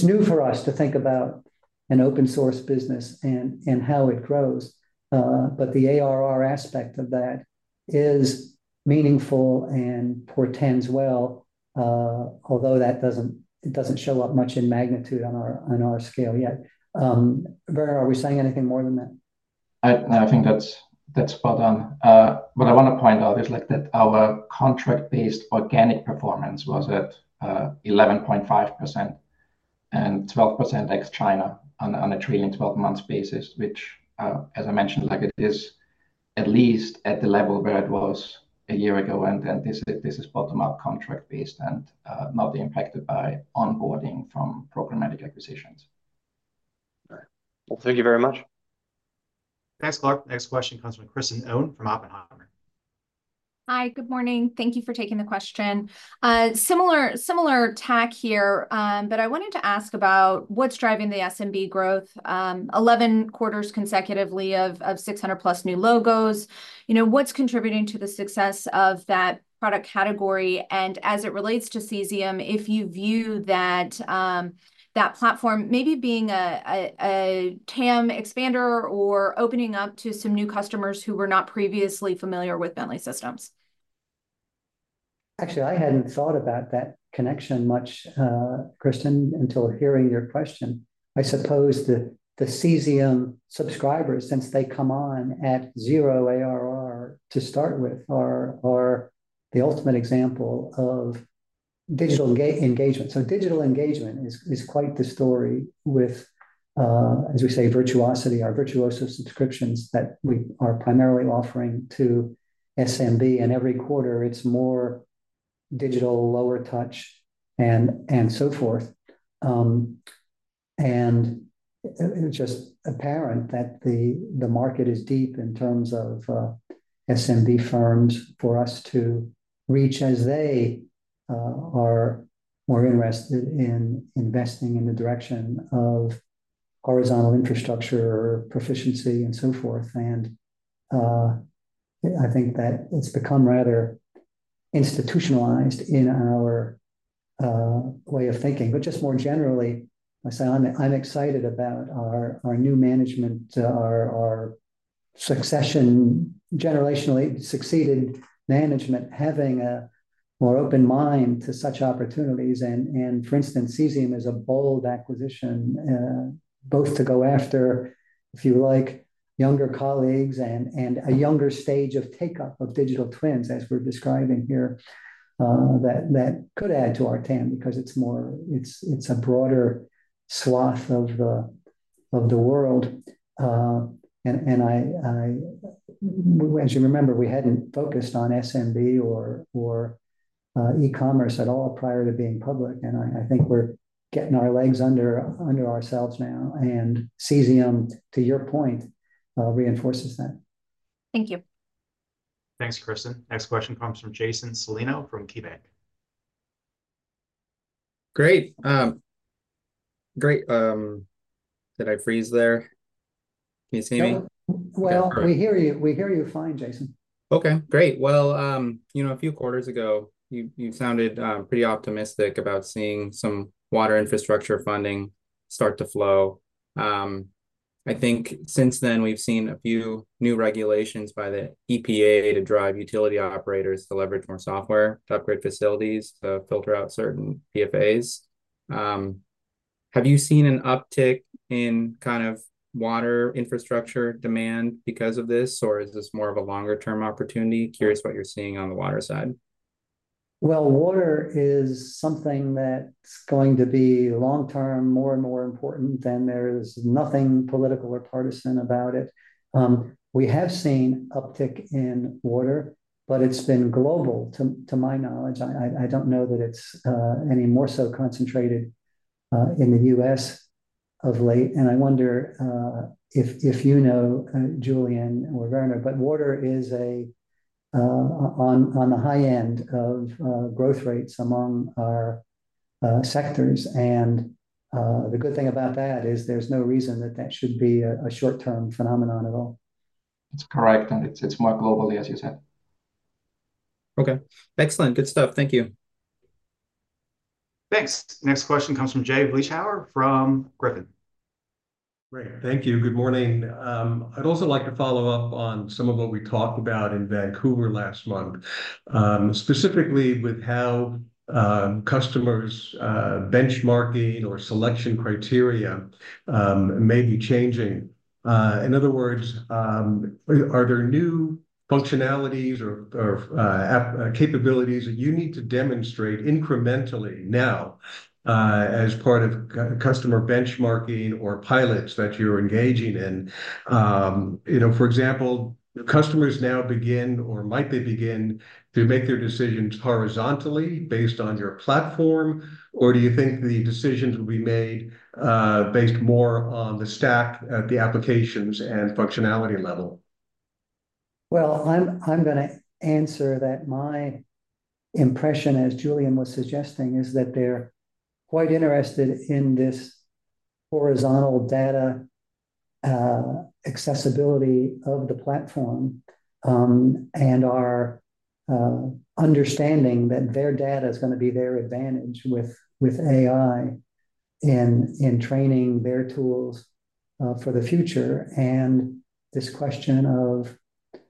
new for us to think about an open-source business and how it grows, but the ARR aspect of that is meaningful and portends well, although it doesn't show up much in magnitude on our scale yet. Werner, are we saying anything more than that? I think that's well done. What I want to point out is, like, that our contract-based organic performance was at 11.5% and 12% ex-China on a trailing 12-month basis, which, as I mentioned, like, it is at least at the level where it was a year ago, and this is bottom-up contract-based and not impacted by onboarding from programmatic acquisitions. All right. Well, thank you very much. Thanks, Clarke. Next question comes from Kristen Owen from Oppenheimer. Hi, good morning. Thank you for taking the question. Similar tack here, but I wanted to ask about what's driving the SMB growth, 11 quarters consecutively of 600-plus new logos. You know, what's contributing to the success of that product category? And as it relates to Cesium, if you view that platform maybe being a TAM expander or opening up to some new customers who were not previously familiar with Bentley Systems? Actually, I hadn't thought about that connection much, Kristen, until hearing your question. I suppose the Cesium subscribers, since they come on at zero ARR to start with, are the ultimate example of digital engagement. So digital engagement is quite the story with, as we say, Virtuosity, our Virtuosity subscriptions that we are primarily offering to SMB. And every quarter, it's more digital, lower touch, and so forth. It's just apparent that the market is deep in terms of SMB firms for us to reach as they are more interested in investing in the direction of horizontal infrastructure proficiency and so forth. I think that it's become rather institutionalized in our way of thinking. But just more generally, I say I'm excited about our new management, our succession, generationally succeeded management having a more open mind to such opportunities. For instance, Cesium is a bold acquisition, both to go after, if you like, younger colleagues and a younger stage of take-up of digital twins, as we're describing here, that could add to our TAM because it's a broader swath of the world. As you remember, we hadn't focused on SMB or e-commerce at all prior to being public, and I think we're getting our legs under ourselves now. Cesium, to your point, reinforces that. Thank you. Thanks, Kristen. Next question comes from Jason Celino from KeyBanc. Great. Great. Did I freeze there? Can you see me? We hear you fine, Jason. Okay. Great. Well, you know, a few quarters ago, you sounded pretty optimistic about seeing some water infrastructure funding start to flow. I think since then, we've seen a few new regulations by the EPA to drive utility operators to leverage more software to upgrade facilities to filter out certain PFAS. Have you seen an uptick in kind of water infrastructure demand because of this, or is this more of a longer-term opportunity? Curious what you're seeing on the water side. Water is something that's going to be long-term more and more important, and there is nothing political or partisan about it. We have seen uptick in water, but it's been global, to my knowledge. I don't know that it's any more so concentrated in the U.S. of late, and I wonder if you know, Julien or Werner, but water is on the high end of growth rates among our sectors. And the good thing about that is there's no reason that that should be a short-term phenomenon at all. It's correct, and it's more global, as you said. Okay. Excellent. Good stuff. Thank you. Thanks. Next question comes from Jay Vleeschhouwer from Griffin. Great. Thank you. Good morning. I'd also like to follow up on some of what we talked about in Vancouver last month, specifically with how customers' benchmarking or selection criteria may be changing. In other words, are there new functionalities or capabilities that you need to demonstrate incrementally now as part of customer benchmarking or pilots that you're engaging in? You know, for example, do customers now begin or might they begin to make their decisions horizontally based on your platform, or do you think the decisions will be made based more on the stack at the applications and functionality level? I'm going to answer that. My impression, as Julien was suggesting, is that they're quite interested in this horizontal data accessibility of the platform and are understanding that their data is going to be their advantage with AI in training their tools for the future. This question of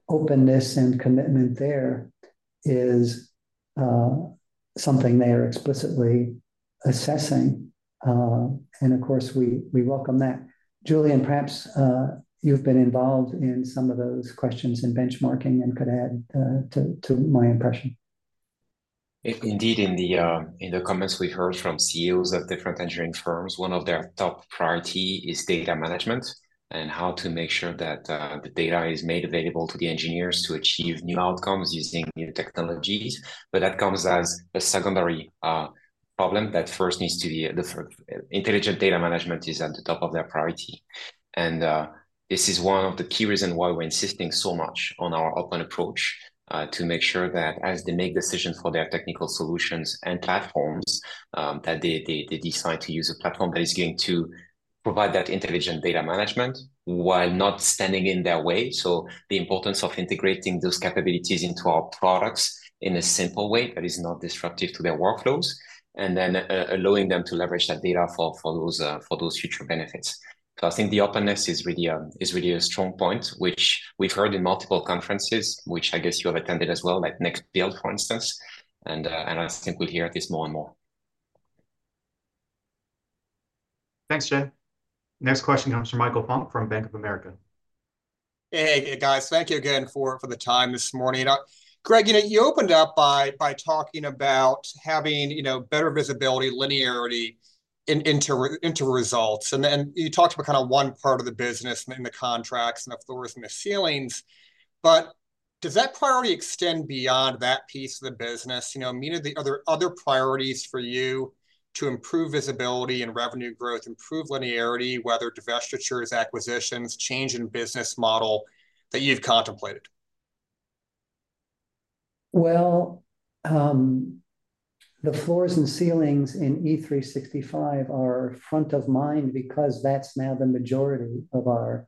openness and commitment there is something they are explicitly assessing. Of course, we welcome that. Julien, perhaps you've been involved in some of those questions in benchmarking and could add to my impression. Indeed, in the comments we heard from CEOs of different engineering firms, one of their top priorities is data management and how to make sure that the data is made available to the engineers to achieve new outcomes using new technologies. But that comes as a secondary problem that first needs to be. Intelligent data management is at the top of their priority, and this is one of the key reasons why we're insisting so much on our open approach to make sure that as they make decisions for their technical solutions and platforms, that they decide to use a platform that is going to provide that intelligent data management while not standing in their way. So the importance of integrating those capabilities into our products in a simple way that is not disruptive to their workflows and then allowing them to leverage that data for those future benefits. So I think the openness is really a strong point, which we've heard in multiple conferences, which I guess you have attended as well, like NXT BLD, for instance. And I think we'll hear this more and more. Thanks, Jay. Next question comes from Michael Funk from Bank of America. Hey, guys. Thank you again for the time this morning. Greg, you opened up by talking about having better visibility, linearity into results. And you talked about kind of one part of the business and the contracts and authorizing the ceilings. But does that priority extend beyond that piece of the business? You know, are there other priorities for you to improve visibility and revenue growth, improve linearity, whether divestitures, acquisitions, change in business model that you've contemplated? Well, the floors and ceilings in E365 are front of mind because that's now the majority of our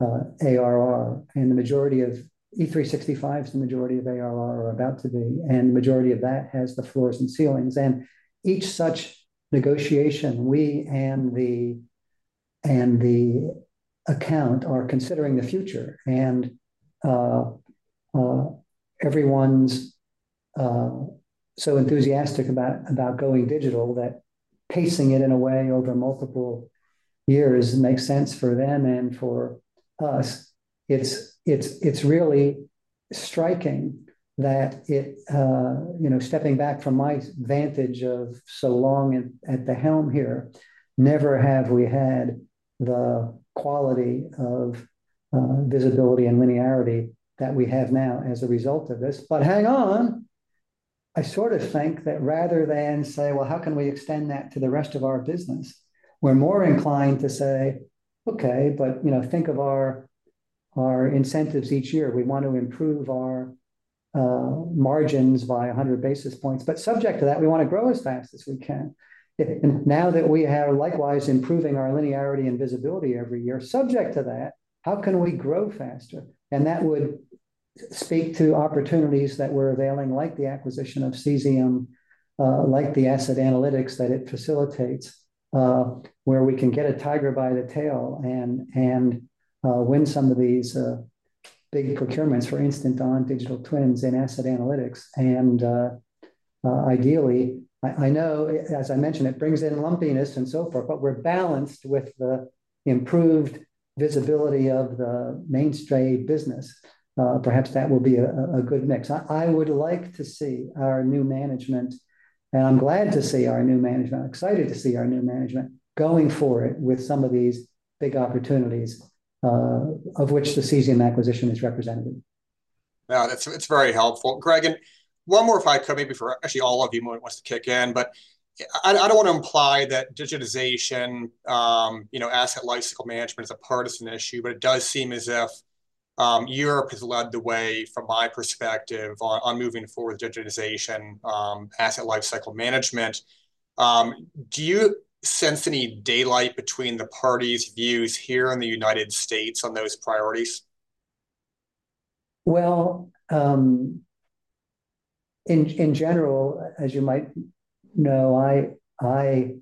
ARR. And the majority of E365s, the majority of ARR are about to be, and the majority of that has the floors and ceilings. And each such negotiation, we and the account are considering the future. And everyone's so enthusiastic about going digital that pacing it in a way over multiple years makes sense for them and for us. It's really striking that, stepping back from my vantage of so long at the helm here, never have we had the quality of visibility and linearity that we have now as a result of this. But hang on, I sort of think that rather than say, "Well, how can we extend that to the rest of our business?" We're more inclined to say, "Okay, but think of our incentives each year. We want to improve our margins by 100 basis points. But subject to that, we want to grow as fast as we can. Now that we are likewise improving our linearity and visibility every year, subject to that, how can we grow faster?" And that would speak to opportunities that we're availing, like the acquisition of Cesium, like the asset analytics that it facilitates, where we can get a tiger by the tail and win some of these big procurements for instant on digital twins in asset analytics. And ideally, I know, as I mentioned, it brings in lumpiness and so forth, but we're balanced with the improved visibility of the mainstay business. Perhaps that will be a good mix. I would like to see our new management, and I'm glad to see our new management, excited to see our new management going for it with some of these big opportunities of which the Cesium acquisition is representative. Yeah, it's very helpful. Greg, and one more if I could, maybe for actually all of you who want to kick in, but I don't want to imply that digitization, asset lifecycle management is a partisan issue, but it does seem as if Europe has led the way, from my perspective, on moving forward with digitization, asset lifecycle management. Do you sense any daylight between the parties' views here in the United States on those priorities? Well, in general, as you might know, I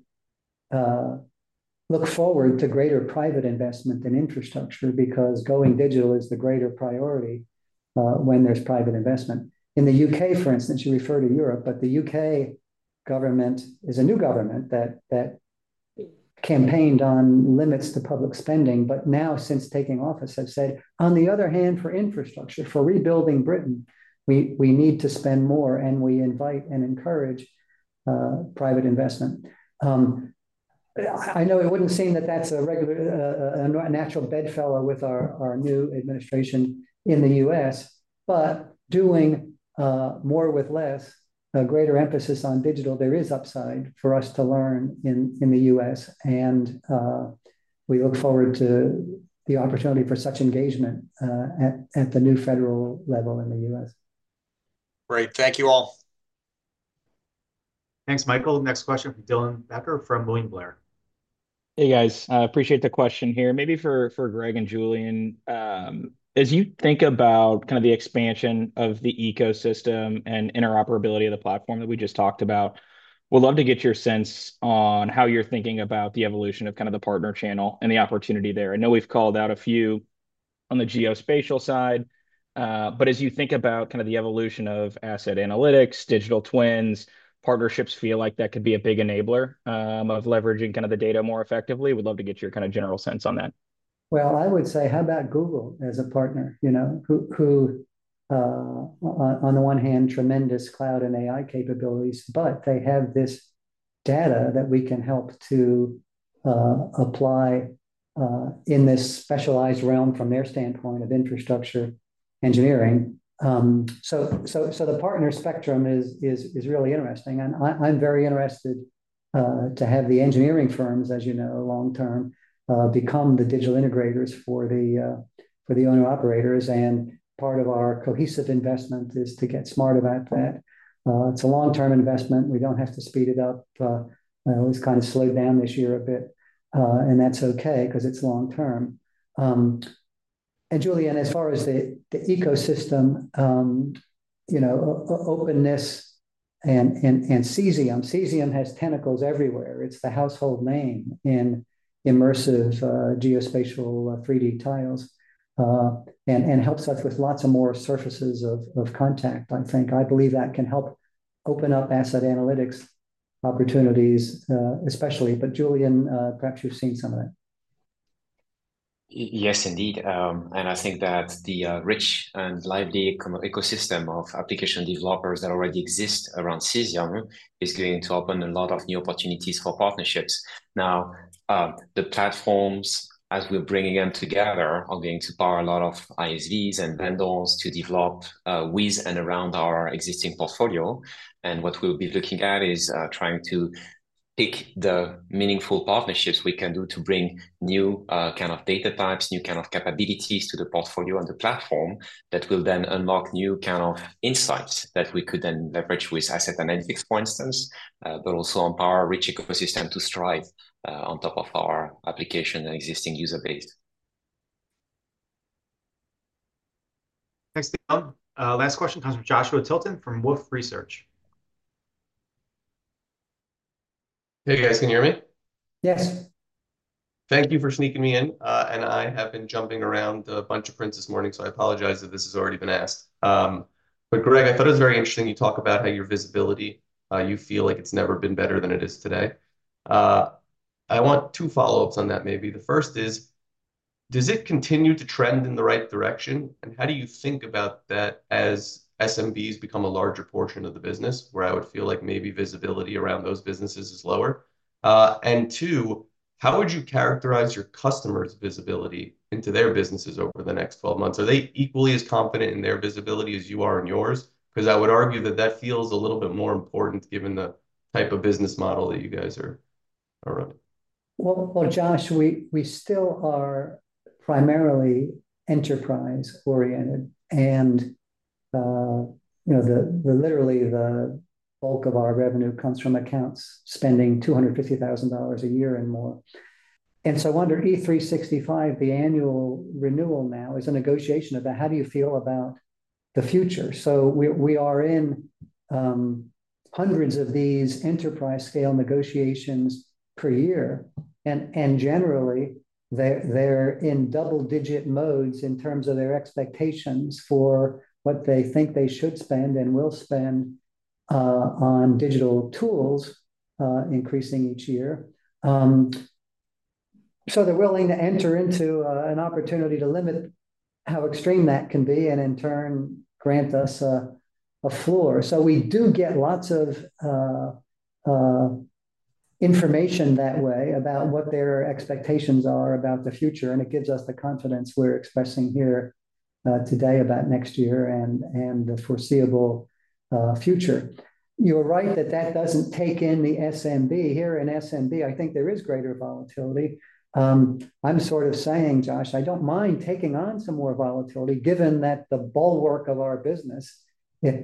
look forward to greater private investment in infrastructure because going digital is the greater priority when there's private investment. In the U.K., for instance, you refer to Europe, but the U.K. government is a new government that campaigned on limits to public spending, but now, since taking office, has said, "On the other hand, for infrastructure, for rebuilding Britain, we need to spend more, and we invite and encourage private investment." I know it wouldn't seem that that's a natural bedfellow with our new administration in the U.S., but doing more with less, a greater emphasis on digital, there is upside for us to learn in the U.S. And we look forward to the opportunity for such engagement at the new federal level in the U.S. Great. Thank you all. Thanks, Michael. Next question from Dylan Becker from William Blair. Hey, guys. Appreciate the question here. Maybe for Greg and Julien, as you think about kind of the expansion of the ecosystem and interoperability of the platform that we just talked about, we'd love to get your sense on how you're thinking about the evolution of kind of the partner channel and the opportunity there. I know we've called out a few on the geospatial side, but as you think about kind of the evolution of asset analytics, digital twins, partnerships feel like that could be a big enabler of leveraging kind of the data more effectively. We'd love to get your kind of general sense on that. Well, I would say, how about Google as a partner? You know, on the one hand, tremendous cloud and AI capabilities, but they have this data that we can help to apply in this specialized realm from their standpoint of infrastructure engineering. The partner spectrum is really interesting. I'm very interested to have the engineering firms, as you know, long-term become the digital integrators for the owner-operators. Part of our Cohesive investment is to get smarter about that. It's a long-term investment. We don't have to speed it up. It was kind of slowed down this year a bit, and that's okay because it's long-term. Julien, as far as the ecosystem, openness and Cesium. Cesium has tentacles everywhere. It's the household name in immersive geospatial 3D Tiles and helps us with lots of more surfaces of contact, I think. I believe that can help open up asset analytics opportunities especially. Julien, perhaps you've seen some of that. Yes, indeed. I think that the rich and lively ecosystem of application developers that already exist around Cesium is going to open a lot of new opportunities for partnerships. Now, the platforms, as we're bringing them together, are going to power a lot of ISVs and vendors to develop with and around our existing portfolio. And what we'll be looking at is trying to pick the meaningful partnerships we can do to bring new kind of data types, new kind of capabilities to the portfolio and the platform that will then unlock new kind of insights that we could then leverage with asset analytics, for instance, but also empower a rich ecosystem to strive on top of our application and existing user base. Thanks, Dylan. Last question comes from Joshua Tilton from Wolfe Research. Hey, guys. Can you hear me? Yes. Thank you for sneaking me in. And I have been jumping around a bunch of prints this morning, so I apologize if this has already been asked. But Greg, I thought it was very interesting you talk about how your visibility, you feel like it's never been better than it is today. I want two follow-ups on that, maybe. The first is, does it continue to trend in the right direction? And how do you think about that as SMBs become a larger portion of the business where I would feel like maybe visibility around those businesses is lower? And two, how would you characterize your customers' visibility into their businesses over the next 12 months? Are they equally as confident in their visibility as you are in yours? Because I would argue that that feels a little bit more important given the type of business model that you guys are running. Well, Josh, we still are primarily enterprise-oriented. And literally, the bulk of our revenue comes from accounts spending $250,000 a year and more. And so I wonder, E365, the annual renewal now is a negotiation about how do you feel about the future. So we are in hundreds of these enterprise-scale negotiations per year. And generally, they're in double-digit modes in terms of their expectations for what they think they should spend and will spend on digital tools increasing each year. So they're willing to enter into an opportunity to limit how extreme that can be and in turn grant us a floor. So we do get lots of information that way about what their expectations are about the future. And it gives us the confidence we're expressing here today about next year and the foreseeable future. You're right that that doesn't take in the SMB. Here in SMB, I think there is greater volatility. I'm sort of saying, Josh, I don't mind taking on some more volatility given that the bulwark of our business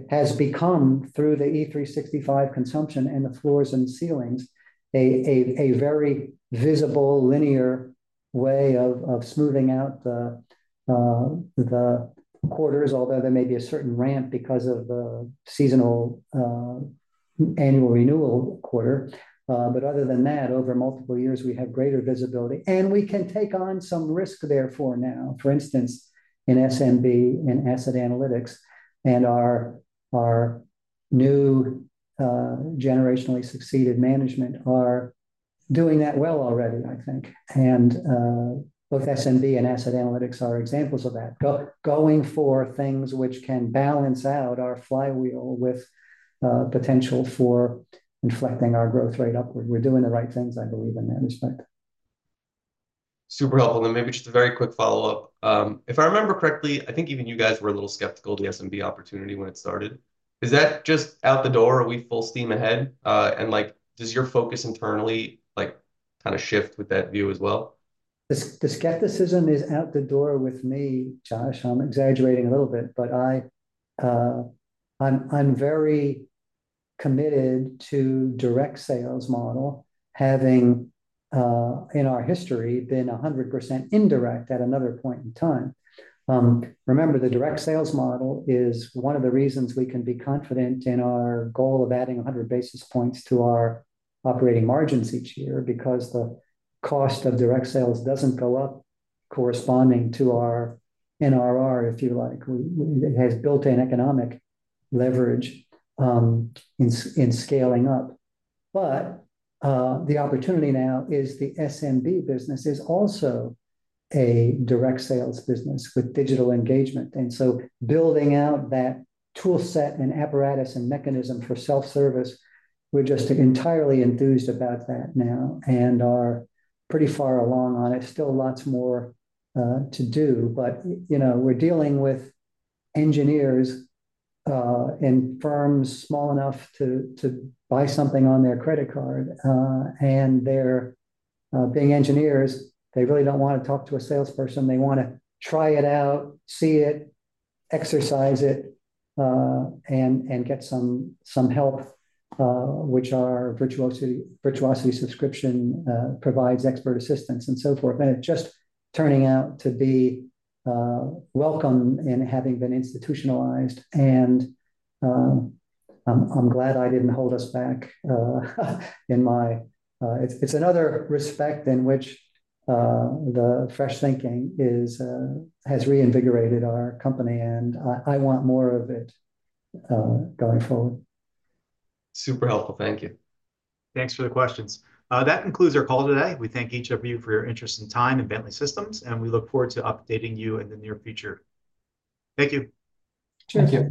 has become, through the E365 consumption and the floors and ceilings, a very visible, linear way of smoothing out the quarters, although there may be a certain ramp because of the seasonal annual renewal quarter. But other than that, over multiple years, we have greater visibility. And we can take on some risk therefore now. For instance, in SMB, in asset analytics, and our new generationally successful management are doing that well already, I think. And both SMB and asset analytics are examples of that. Going for things which can balance out our flywheel with potential for inflecting our growth rate upward. We're doing the right things, I believe, in that respect. Super helpful. And maybe just a very quick follow-up. If I remember correctly, I think even you guys were a little skeptical of the SMB opportunity when it started. Is that just out the door? Are we full steam ahead? And does your focus internally kind of shift with that view as well? The skepticism is out the door with me, Josh. I'm exaggerating a little bit, but I'm very committed to the direct sales model, having in our history been 100% indirect at another point in time. Remember, the direct sales model is one of the reasons we can be confident in our goal of adding 100 basis points to our operating margins each year because the cost of direct sales doesn't go up corresponding to our NRR, if you like. It has built-in economic leverage in scaling up. But the opportunity now is the SMB business is also a direct sales business with digital engagement. And so building out that toolset and apparatus and mechanism for self-service, we're just entirely enthused about that now and are pretty far along on it. Still lots more to do. But we're dealing with engineers and firms small enough to buy something on their credit card. And being engineers, they really don't want to talk to a salesperson. They want to try it out, see it, exercise it, and get some help, which our Virtuosity subscription provides expert assistance and so forth. And it's just turning out to be welcome in having been institutionalized. And I'm glad I didn't hold us back in my it's another respect in which the fresh thinking has reinvigorated our company. And I want more of it going forward. Super helpful. Thank you. Thanks for the questions. That concludes our call today. We thank each of you for your interest in iTwin and Bentley Systems, and we look forward to updating you in the near future. Thank you. Cheers.